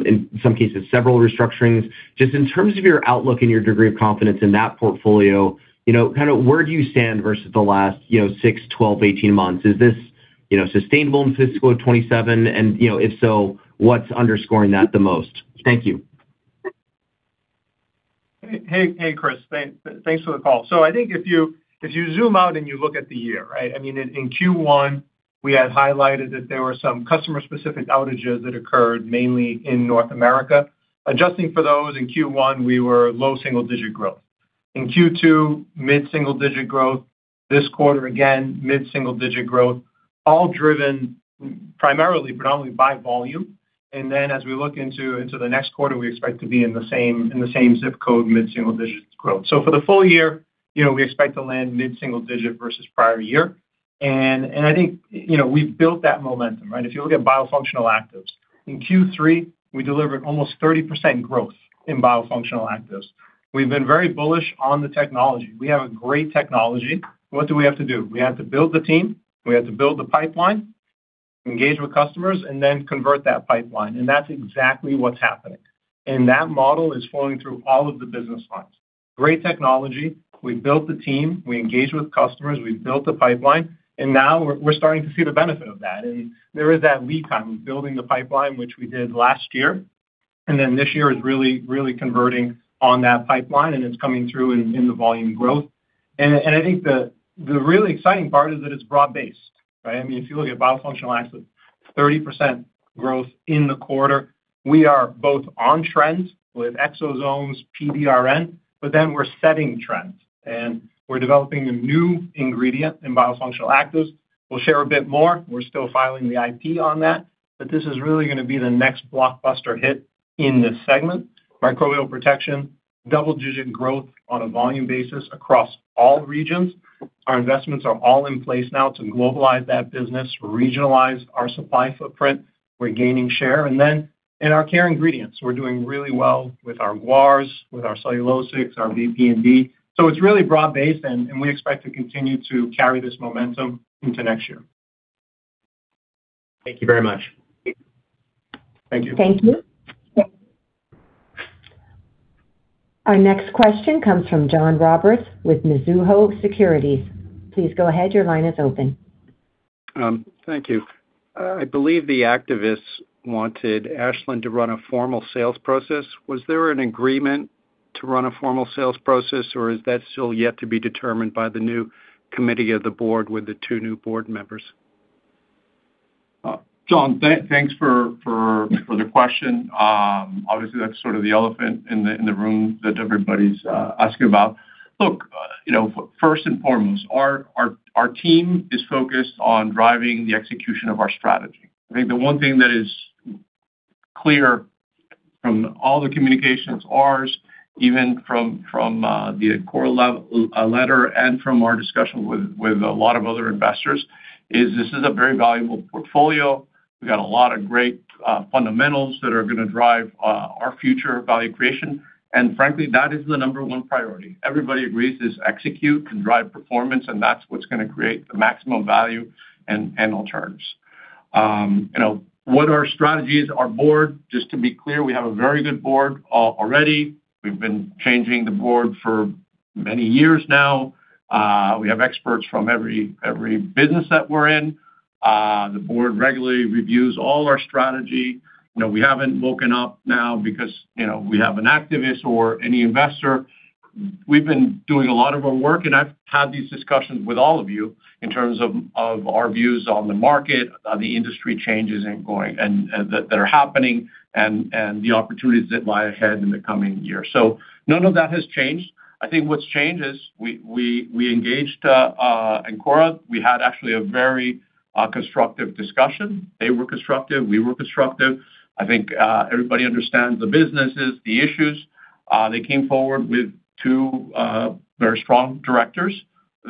in some cases, several restructurings. Just in terms of your outlook and your degree of confidence in that portfolio, where do you stand versus the last six, 12, 18 months? Is this sustainable in fiscal 2027? If so, what's underscoring that the most? Thank you. Hey, Chris. Thanks for the call. I think if you zoom out and you look at the year, right? In Q1, we had highlighted that there were some customer-specific outages that occurred mainly in North America. Adjusting for those, in Q1, we were low single-digit growth. In Q2, mid-single-digit growth. This quarter, again, mid-single-digit growth, all driven primarily, predominantly by volume. As we look into the next quarter, we expect to be in the same zip code, mid-single-digit growth. For the full year, we expect to land mid-single-digit versus prior year. I think we've built that momentum, right? If you look at biofunctional actives. In Q3, we delivered almost 30% growth in biofunctional actives. We've been very bullish on the technology. We have a great technology. What do we have to do? We have to build the team, we have to build the pipeline, engage with customers, then convert that pipeline. That's exactly what's happening. That model is flowing through all of the business lines. Great technology. We built the team, we engaged with customers, we've built the pipeline, now we're starting to see the benefit of that. There is that lead time of building the pipeline, which we did last year. This year is really converting on that pipeline and it's coming through in the volume growth. I think the really exciting part is that it's broad-based, right? If you look at biofunctional actives, 30% growth in the quarter. We are both on trend with exosomes, PDRN, we're setting trends, and we're developing a new ingredient in biofunctional actives. We'll share a bit more. We're still filing the IP on that, this is really going to be the next blockbuster hit in this segment. Microbial Protection, double-digit growth on a volume basis across all regions. Our investments are all in place now to globalize that business, regionalize our supply footprint. We're gaining share. In our care ingredients, we're doing really well with our guars, with our cellulosics, our VP&D. It's really broad-based, and we expect to continue to carry this momentum into next year. Thank you very much. Thank you. Thank you. Our next question comes from John Roberts with Mizuho Securities. Please go ahead. Your line is open. Thank you. I believe the activists wanted Ashland to run a formal sales process. Was there an agreement to run a formal sales process, or is that still yet to be determined by the new committee of the board with the two new board members? John, thanks for the question. Obviously, that's sort of the elephant in the room that everybody's asking about. Look, first and foremost, our team is focused on driving the execution of our strategy. I think the one thing that is clear from all the communications, ours, even from the core letter and from our discussion with a lot of other investors, is this is a very valuable portfolio. We've got a lot of great fundamentals that are going to drive our future value creation. Frankly, that is the number one priority. Everybody agrees is execute and drive performance, and that's what's going to create the maximum value in all terms. What our strategy is, our board, just to be clear, we have a very good board already. We've been changing the board for many years now. We have experts from every business that we're in. The board regularly reviews all our strategy. We haven't woken up now because we have an activist or any investor. We've been doing a lot of our work. I've had these discussions with all of you in terms of our views on the market, the industry changes that are happening, and the opportunities that lie ahead in the coming year. None of that has changed. I think what's changed is we engaged Ancora. We had actually a very constructive discussion. They were constructive, we were constructive. I think everybody understands the businesses, the issues. They came forward with two very strong directors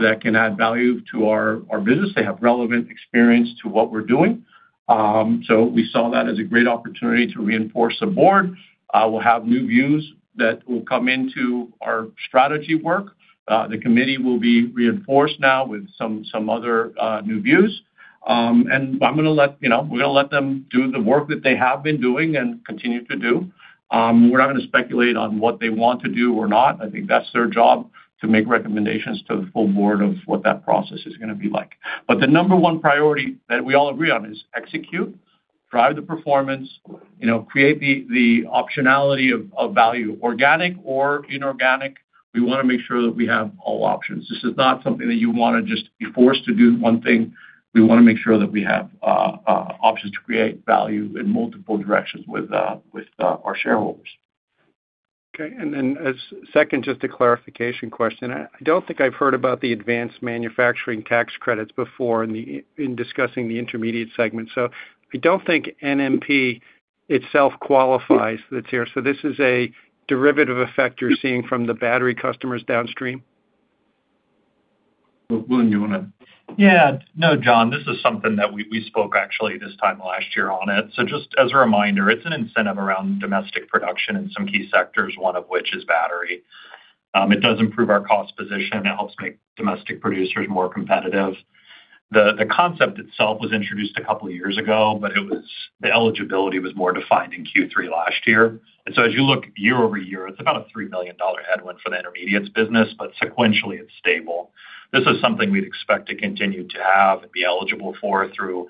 that can add value to our business. They have relevant experience to what we're doing. We saw that as a great opportunity to reinforce the board. We'll have new views that will come into our strategy work. The committee will be reinforced now with some other new views. We're going to let them do the work that they have been doing and continue to do. We're not going to speculate on what they want to do or not. I think that's their job to make recommendations to the full board of what that process is going to be like. The number one priority that we all agree on is execute, drive the performance, create the optionality of value, organic or inorganic. We want to make sure that we have all options. This is not something that you want to just be forced to do one thing. We want to make sure that we have options to create value in multiple directions with our shareholders. Okay. As second, just a clarification question. I don't think I've heard about the advanced manufacturing tax credits before in discussing the Intermediates segment. I don't think NMP itself qualifies that's here. This is a derivative effect you're seeing from the battery customers downstream? William, do you want to? Yeah. No, John, this is something that we spoke actually this time last year on it. Just as a reminder, it's an incentive around domestic production in some key sectors, one of which is battery. It does improve our cost position. It helps make domestic producers more competitive. The concept itself was introduced a couple of years ago, but the eligibility was more defined in Q3 last year. As you look year-over-year, it's about a $3 million headwind for the Intermediates business, but sequentially it's stable. This is something we'd expect to continue to have and be eligible for through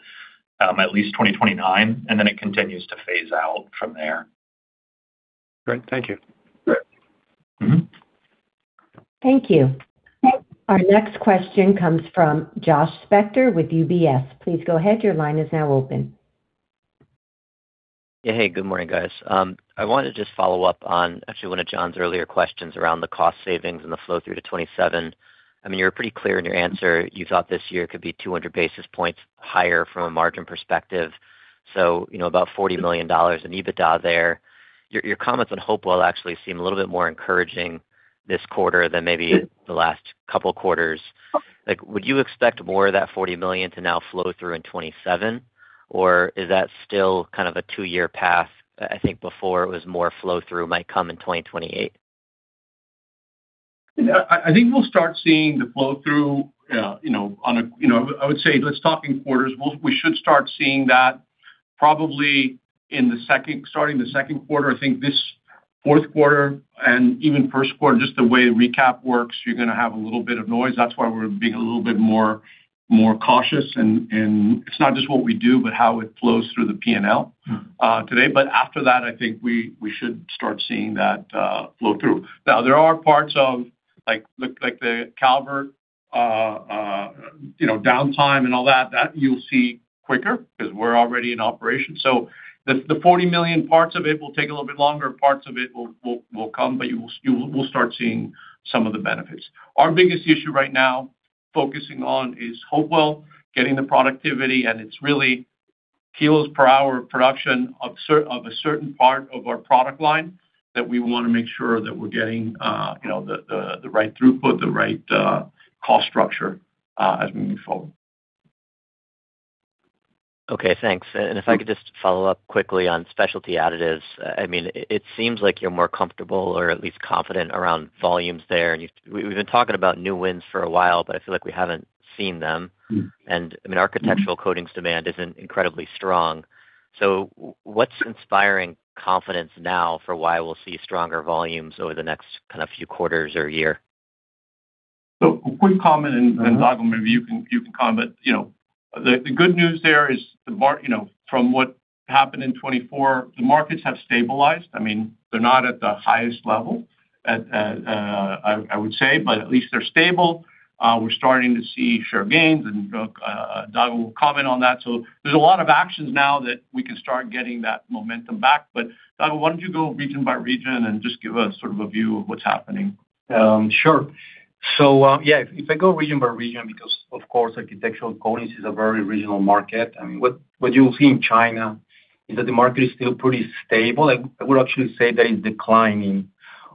at least 2029, then it continues to phase out from there. Great. Thank you. Sure. Mm-hmm. Thank you. Our next question comes from Josh Spector with UBS. Please go ahead. Your line is now open. Yeah. Hey, good morning, guys. I want to just follow up on actually one of John's earlier questions around the cost savings and the flow through to 2027. You were pretty clear in your answer. You thought this year could be 200 basis points higher from a margin perspective, so about $40 million in EBITDA there. Your comments on Hopewell actually seem a little bit more encouraging this quarter than maybe the last couple of quarters. Would you expect more of that $40 million to now flow through in 2027? Or is that still kind of a two-year path? I think before it was more flow through might come in 2028. I think we'll start seeing the flow through, I would say let's talk in quarters. We should start seeing that probably starting the second quarter. I think this fourth quarter and even first quarter, just the way recap works, you're going to have a little bit of noise. That's why we're being a little bit more cautious in it's not just what we do, but how it flows through the P&L today. After that, I think we should start seeing that flow through. Now, there are parts of the Calvert downtime and all that you'll see quicker because we're already in operation. The $40 million parts of it will take a little bit longer. Parts of it will come, but you will start seeing some of the benefits. Our biggest issue right now focusing on is Hopewell getting the productivity. It's really kilos per hour production of a certain part of our product line that we want to make sure that we're getting the right throughput, the right cost structure as we move forward. Okay, thanks. If I could just follow up quickly on Specialty Additives. It seems like you're more comfortable or at least confident around volumes there. We've been talking about new wins for a while, but I feel like we haven't seen them. Architectural coatings demand isn't incredibly strong. What's inspiring confidence now for why we'll see stronger volumes over the next kind of few quarters or year? A quick comment and, Dago, maybe you can comment. The good news there is from what happened in 2024, the markets have stabilized. They're not at the highest level, I would say, but at least they're stable. We're starting to see share gains. Dago will comment on that. There's a lot of actions now that we can start getting that momentum back. Dago, why don't you go region by region and just give us sort of a view of what's happening? Sure. Yeah, if I go region by region, because of course, architectural coatings is a very regional market. What you'll see in China is that the market is still pretty stable. I would actually say that it's declining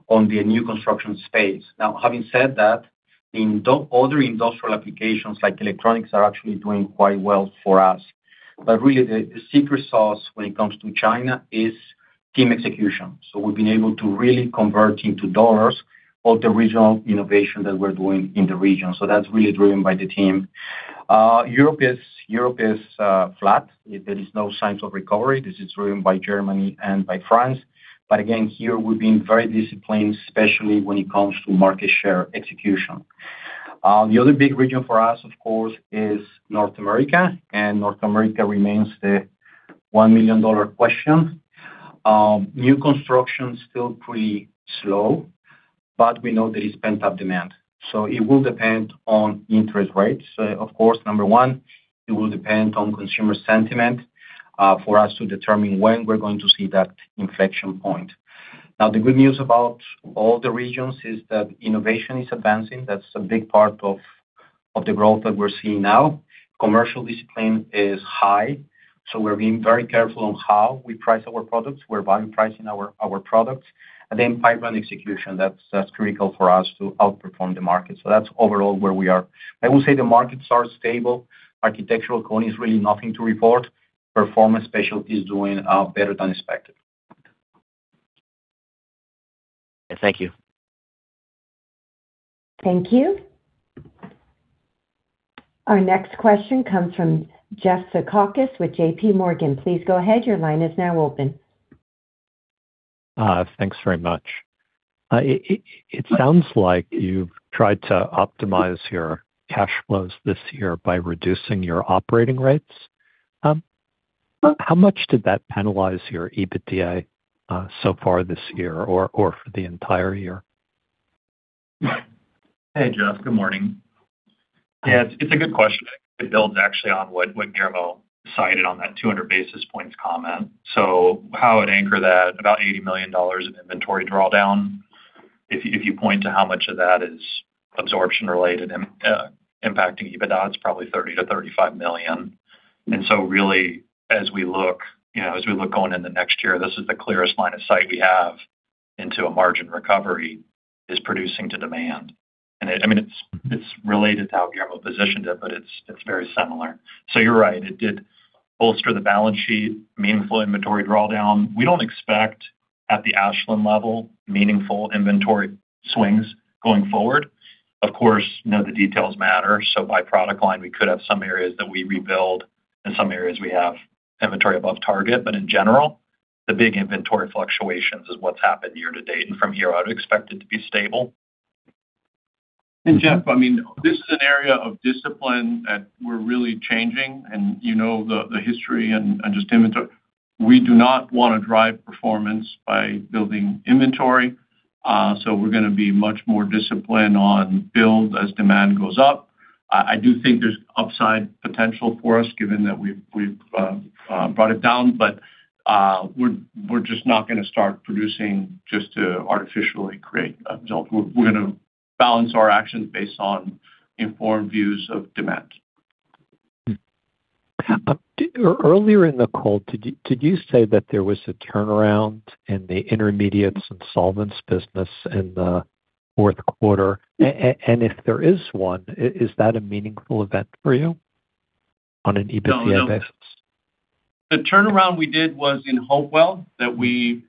on the new construction space. Having said that, in other industrial applications like electronics, are actually doing quite well for us. Really the secret sauce when it comes to China is team execution. We've been able to really convert into dollars all the regional innovation that we're doing in the region. That's really driven by the team. Europe is flat. There is no signs of recovery. This is driven by Germany and by France. Again, here we've been very disciplined, especially when it comes to market share execution. The other big region for us, of course, is North America, and North America remains the $1 million question. New construction is still pretty slow, we know there is pent-up demand, it will depend on interest rates. Of course, number one, it will depend on consumer sentiment, for us to determine when we're going to see that inflection point. The good news about all the regions is that innovation is advancing. That's a big part of the growth that we're seeing now. Commercial discipline is high, we're being very careful on how we price our products. We're volume pricing our products. Pipeline execution, that's critical for us to outperform the market. That's overall where we are. I will say the markets are stable. architectural coating is really nothing to report. Performance specialty is doing better than expected. Thank you. Thank you. Our next question comes from Jeff Zekauskas with JPMorgan. Please go ahead. Your line is now open. Thanks very much. It sounds like you've tried to optimize your cash flows this year by reducing your operating rates. How much did that penalize your EBITDA so far this year or for the entire year? Hey, Jeff. Good morning. Yeah, it's a good question. It builds actually on what Guillermo cited on that 200 basis points comment. How I'd anchor that, about $80 million in inventory drawdown. If you point to how much of that is absorption-related impacting EBITDA, it's probably $30 million-$35 million. Really, as we look going into next year, this is the clearest line of sight we have into a margin recovery is producing to demand. It's related to how Guillermo positioned it, but it's very similar. You're right, it did bolster the balance sheet, meaningful inventory drawdown. We don't expect, at the Ashland level, meaningful inventory swings going forward. Of course, the details matter. By product line, we could have some areas that we rebuild and some areas we have inventory above target. In general, the big inventory fluctuations is what's happened year to date. From here, I would expect it to be stable. Jeff, this is an area of discipline that we're really changing and you know the history and just inventory. We do not want to drive performance by building inventory, we're going to be much more disciplined on build as demand goes up. I do think there's upside potential for us given that we've brought it down. We're just not going to start producing just to artificially create a result. We're going to balance our actions based on informed views of demand. Earlier in the call, did you say that there was a turnaround in the Intermediates and solvents business in the fourth quarter? If there is one, is that a meaningful event for you on an EBITDA basis? No. The turnaround we did was in Hopewell, that we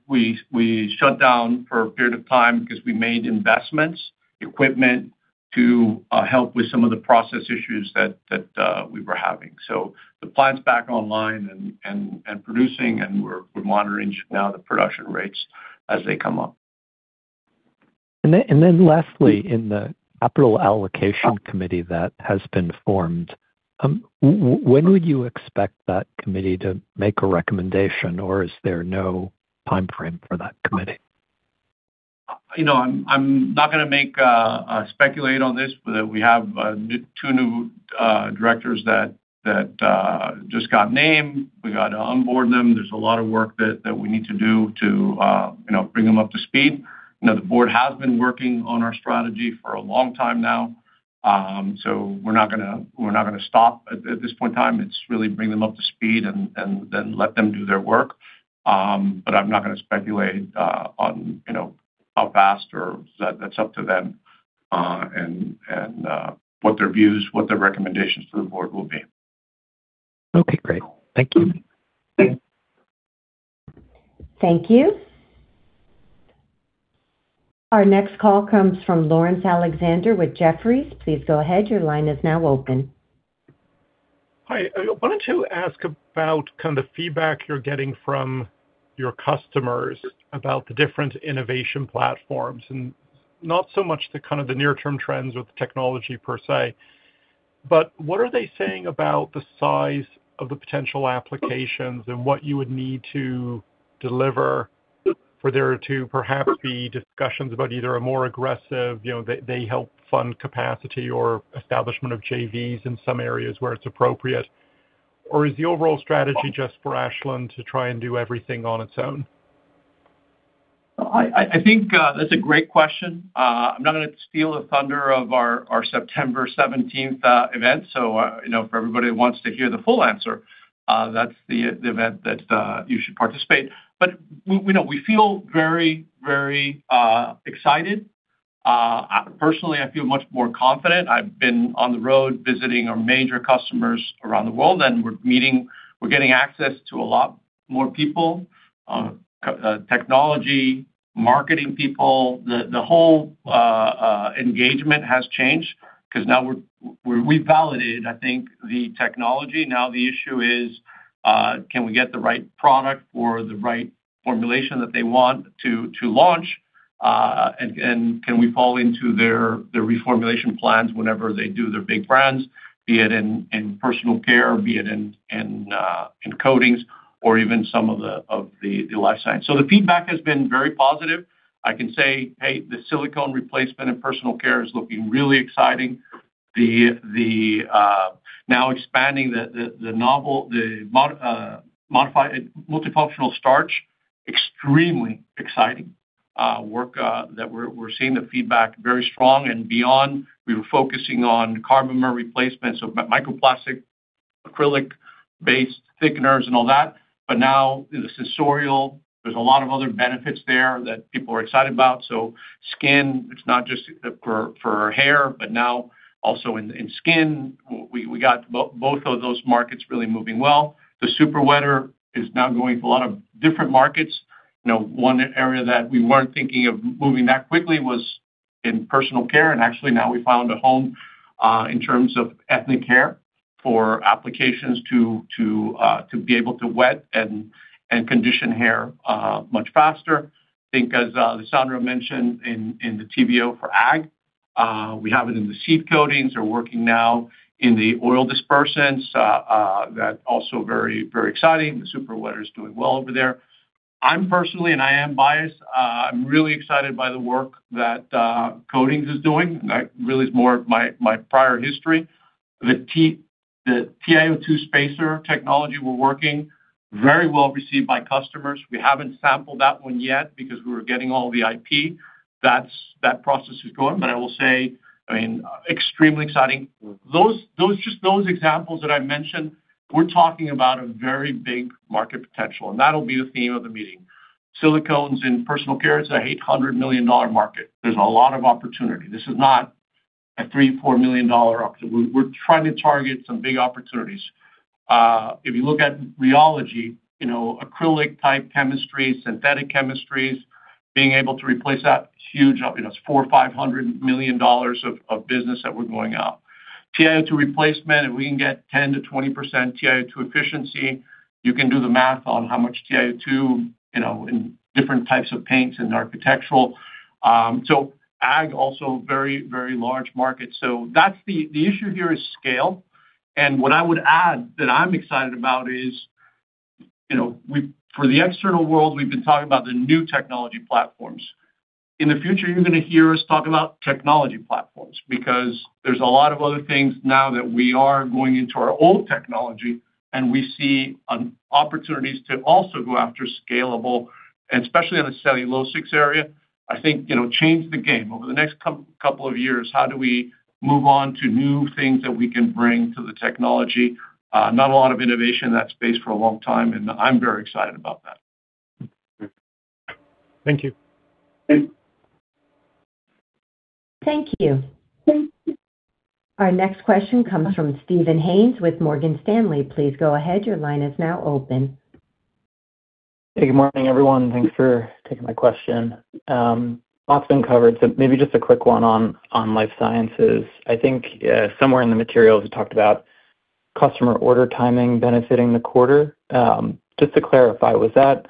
shut down for a period of time because we made investments, equipment to help with some of the process issues that we were having. The plant's back online and producing, and we're monitoring now the production rates as they come up. Lastly, in the capital allocation committee that has been formed, when would you expect that committee to make a recommendation, or is there no timeframe for that committee? I'm not going to speculate on this. We have two new directors that just got named. We got to onboard them. There's a lot of work that we need to do to bring them up to speed. The board has been working on our strategy for a long time now, so we're not going to stop at this point in time. It's really bring them up to speed and then let them do their work. I'm not going to speculate on how fast or That's up to them, and what their views, what their recommendations to the board will be. Okay, great. Thank you. Thanks. Thank you. Our next call comes from Laurence Alexander with Jefferies. Please go ahead. Your line is now open. Hi. I wanted to ask about the feedback you're getting from your customers about the different innovation platforms, not so much the near-term trends with the technology per se. What are they saying about the size of the potential applications and what you would need to deliver for there to perhaps be discussions about either a more aggressive, they help fund capacity or establishment of JVs in some areas where it's appropriate? Is the overall strategy just for Ashland to try and do everything on its own? I think that's a great question. I'm not going to steal the thunder of our September 17th event. For everybody that wants to hear the full answer, that's the event that you should participate. We feel very excited. Personally, I feel much more confident. I've been on the road visiting our major customers around the world, and we're getting access to a lot more people, technology, marketing people. The whole engagement has changed because now we've validated, I think, the technology. The issue is, can we get the right product or the right formulation that they want to launch? Can we fall into their reformulation plans whenever they do their big brands, be it in Personal Care, be it in coatings or even some of the Life Sciences. The feedback has been very positive. I can say, hey, the silicone replacement in Personal Care is looking really exciting. Expanding the multifunctional starch, extremely exciting work that we're seeing the feedback very strong and beyond. We were focusing on carbomer replacement, so microplastic, acrylic-based thickeners and all that. The sensorial, there's a lot of other benefits there that people are excited about. Skin, it's not just for hair, but now also in skin. We got both of those markets really moving well. The super wetter is now going to a lot of different markets. One area that we weren't thinking of moving that quickly was in Personal Care. Actually, now we found a home in terms of ethnic hair for applications to be able to wet and condition hair much faster. As Alessandra mentioned in the Vazo for ag, we have it in the seed coatings, are working now in the oil dispersants. That also very exciting. The super wetter is doing well over there. I'm personally, and I am biased, I'm really excited by the work that Coatings is doing. That really is more of my prior history. The TiO2 spacer technology we're working, very well received by customers. We haven't sampled that one yet because we were getting all the IP. That process is going, I will say, extremely exciting. Just those examples that I mentioned, we're talking about a very big market potential, and that'll be the theme of the meeting. Silicones in Personal Care, it's an $800 million market. There's a lot of opportunity. This is not a $3 million, $4 million opportunity. We're trying to target some big opportunities. If you look at rheology, acrylic type chemistry, synthetic chemistries, being able to replace that huge opportunity. That's $400 million-$500 million of business that we're going after. TiO2 replacement, if we can get 10%-20% TiO2 efficiency, you can do the math on how much TiO2, in different types of paints and architectural. Ag also very large market. The issue here is scale. What I would add that I'm excited about is, for the external world, we've been talking about the new technology platforms. In the future, you're going to hear us talk about technology platforms because there's a lot of other things now that we are going into our old technology, and we see opportunities to also go after scalable, and especially on the cellulosics area, I think change the game. Over the next couple of years, how do we move on to new things that we can bring to the technology? Not a lot of innovation in that space for a long time, and I'm very excited about that. Thank you. Thank you. Our next question comes from Steven Haynes with Morgan Stanley. Please go ahead. Your line is now open. Hey, good morning, everyone. Thanks for taking my question. Lot's been covered, so maybe just a quick one on Life Sciences. I think somewhere in the materials, you talked about customer order timing benefiting the quarter. Just to clarify, was that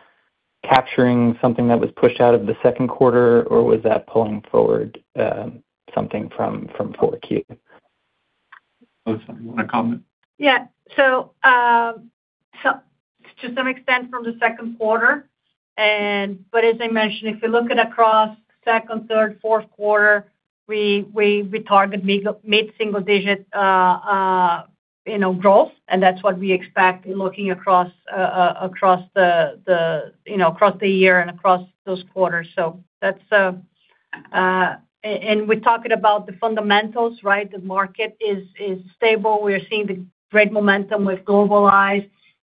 capturing something that was pushed out of the second quarter, or was that pulling forward something from 4Q? Alessandra, you want to comment? To some extent from the second quarter. As I mentioned, if you look at across second, third, fourth quarter, we target mid-single digit growth, and that's what we expect looking across the year and across those quarters. We're talking about the fundamentals, right? The market is stable. We are seeing the great momentum with globalize,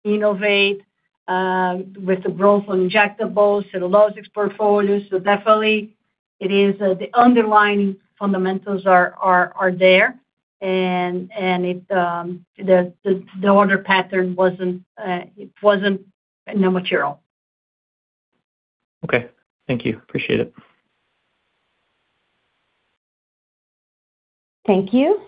Innovate, with the growth on injectables, cellulosics portfolios. Definitely it is the underlying fundamentals are there, and the order pattern wasn't no material. Okay, thank you. Appreciate it. Thank you.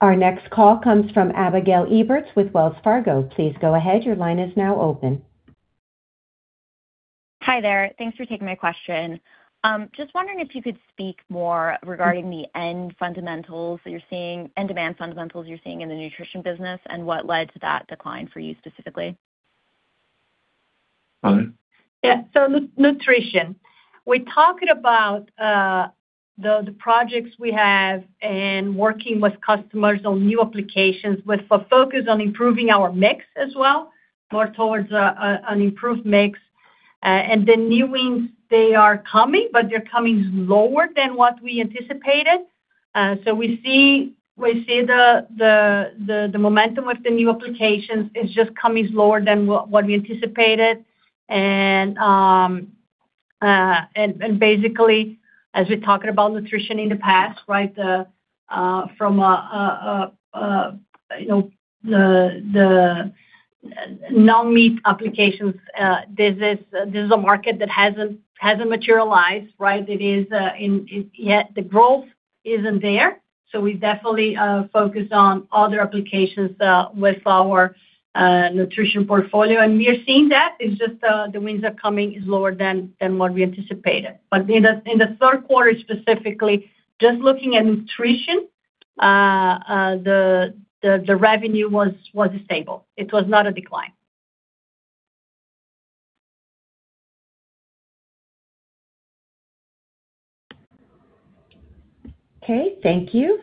Our next call comes from Abigail Eberts with Wells Fargo. Please go ahead. Your line is now open. Hi there. Thanks for taking my question. Just wondering if you could speak more regarding the end demand fundamentals you're seeing in the nutrition business and what led to that decline for you specifically. Nutrition, we talked about the projects we have and working with customers on new applications, with a focus on improving our mix as well, more towards an improved mix. The new wins, they are coming, but they're coming lower than what we anticipated. We see the momentum with the new applications. It's just coming slower than what we anticipated. As we talked about Nutrition in the past, from the non-meat applications, this is a market that hasn't materialized, right? Yet the growth isn't there. We definitely focus on other applications with our Nutrition portfolio. We are seeing that, it's just the wins are coming is lower than what we anticipated. In the third quarter specifically, just looking at Nutrition, the revenue was stable. It was not a decline. Okay, thank you.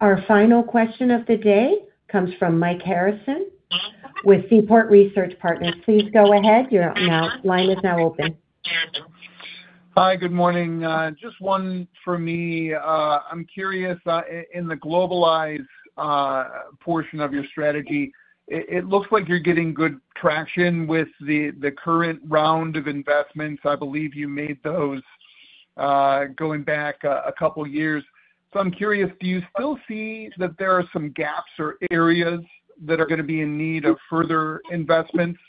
Our final question of the day comes from Mike Harrison with Seaport Research Partners. Please go ahead. Your line is now open. Hi, good morning. Just one from me. I'm curious, in the globalized portion of your strategy, it looks like you're getting good traction with the current round of investments. I believe you made those going back a couple years. I'm curious, do you still see that there are some gaps or areas that are going to be in need of further investments?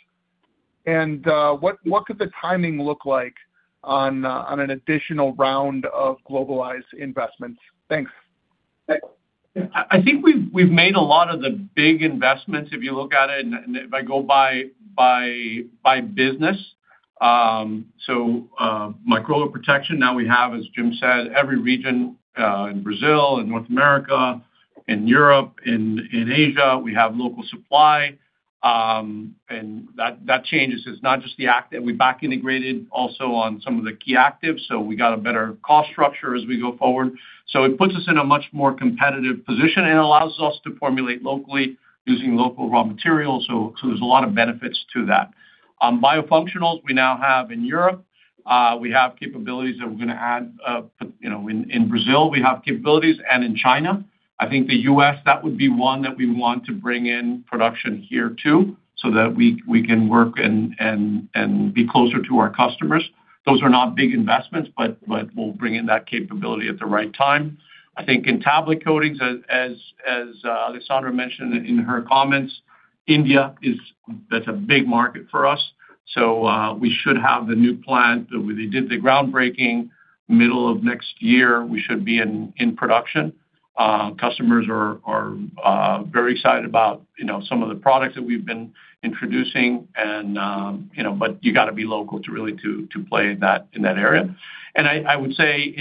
What could the timing look like on an additional round of globalized investments? Thanks. I think we've made a lot of the big investments, if you look at it, if I go by business. Microbial Protection, now we have, as Jim said, every region in Brazil, in North America, in Europe, in Asia, we have local supply. That changes. It's not just the fact that we back integrated also on some of the key actives, we got a better cost structure as we go forward. It puts us in a much more competitive position and allows us to formulate locally using local raw materials. There's a lot of benefits to that. Biofunctionals, we now have in Europe. We have capabilities that we're going to add in Brazil, we have capabilities, in China. The U.S., that would be one that we want to bring in production here too, so that we can work and be closer to our customers. Those are not big investments, but we will bring in that capability at the right time. In tablet coatings, as Alessandra mentioned in her comments, India, that's a big market for us. We should have the new plant. We did the groundbreaking. Middle of next year, we should be in production. Customers are very excited about some of the products that we have been introducing. You got to be local to really play in that area. I would say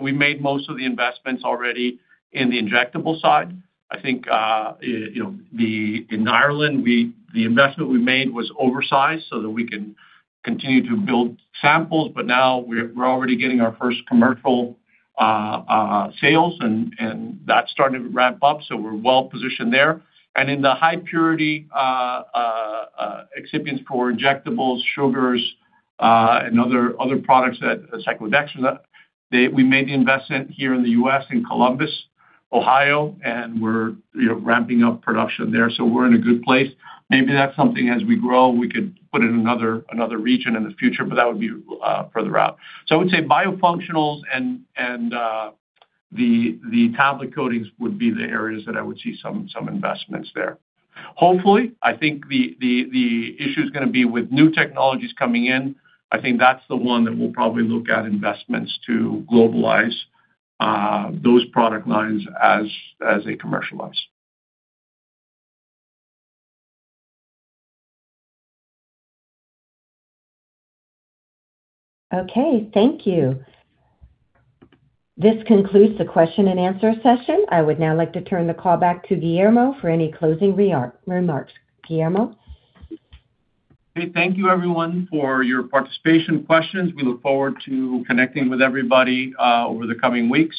we made most of the investments already in the injectable side. In Ireland, the investment we made was oversized so that we can continue to build samples. Now, we are already getting our first commercial sales, and that is starting to ramp up. We are well-positioned there. In the high purity excipients for injectables, sugars, and other products that, cyclodextrin, we made the investment here in the U.S. in Columbus, Ohio, and we are ramping up production there. We are in a good place. Maybe that's something as we grow, we could put in another region in the future, but that would be further out. I would say biofunctionals and the tablet coatings would be the areas that I would see some investments there. Hopefully, the issue is going to be with new technologies coming in. That is the one that we will probably look at investments to globalize those product lines as they commercialize. Thank you. This concludes the Q&A session. I would now like to turn the call back to Guillermo for any closing remarks. Guillermo? Thank you everyone for your participation questions. We look forward to connecting with everybody over the coming weeks.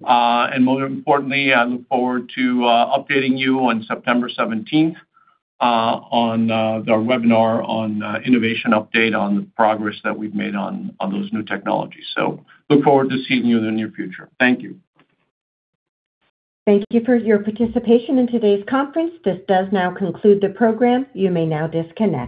Most importantly, I look forward to updating you on September 17th on our webinar on innovation update on the progress that we have made on those new technologies. Look forward to seeing you in the near future. Thank you. Thank you for your participation in today's conference. This does now conclude the program. You may now disconnect.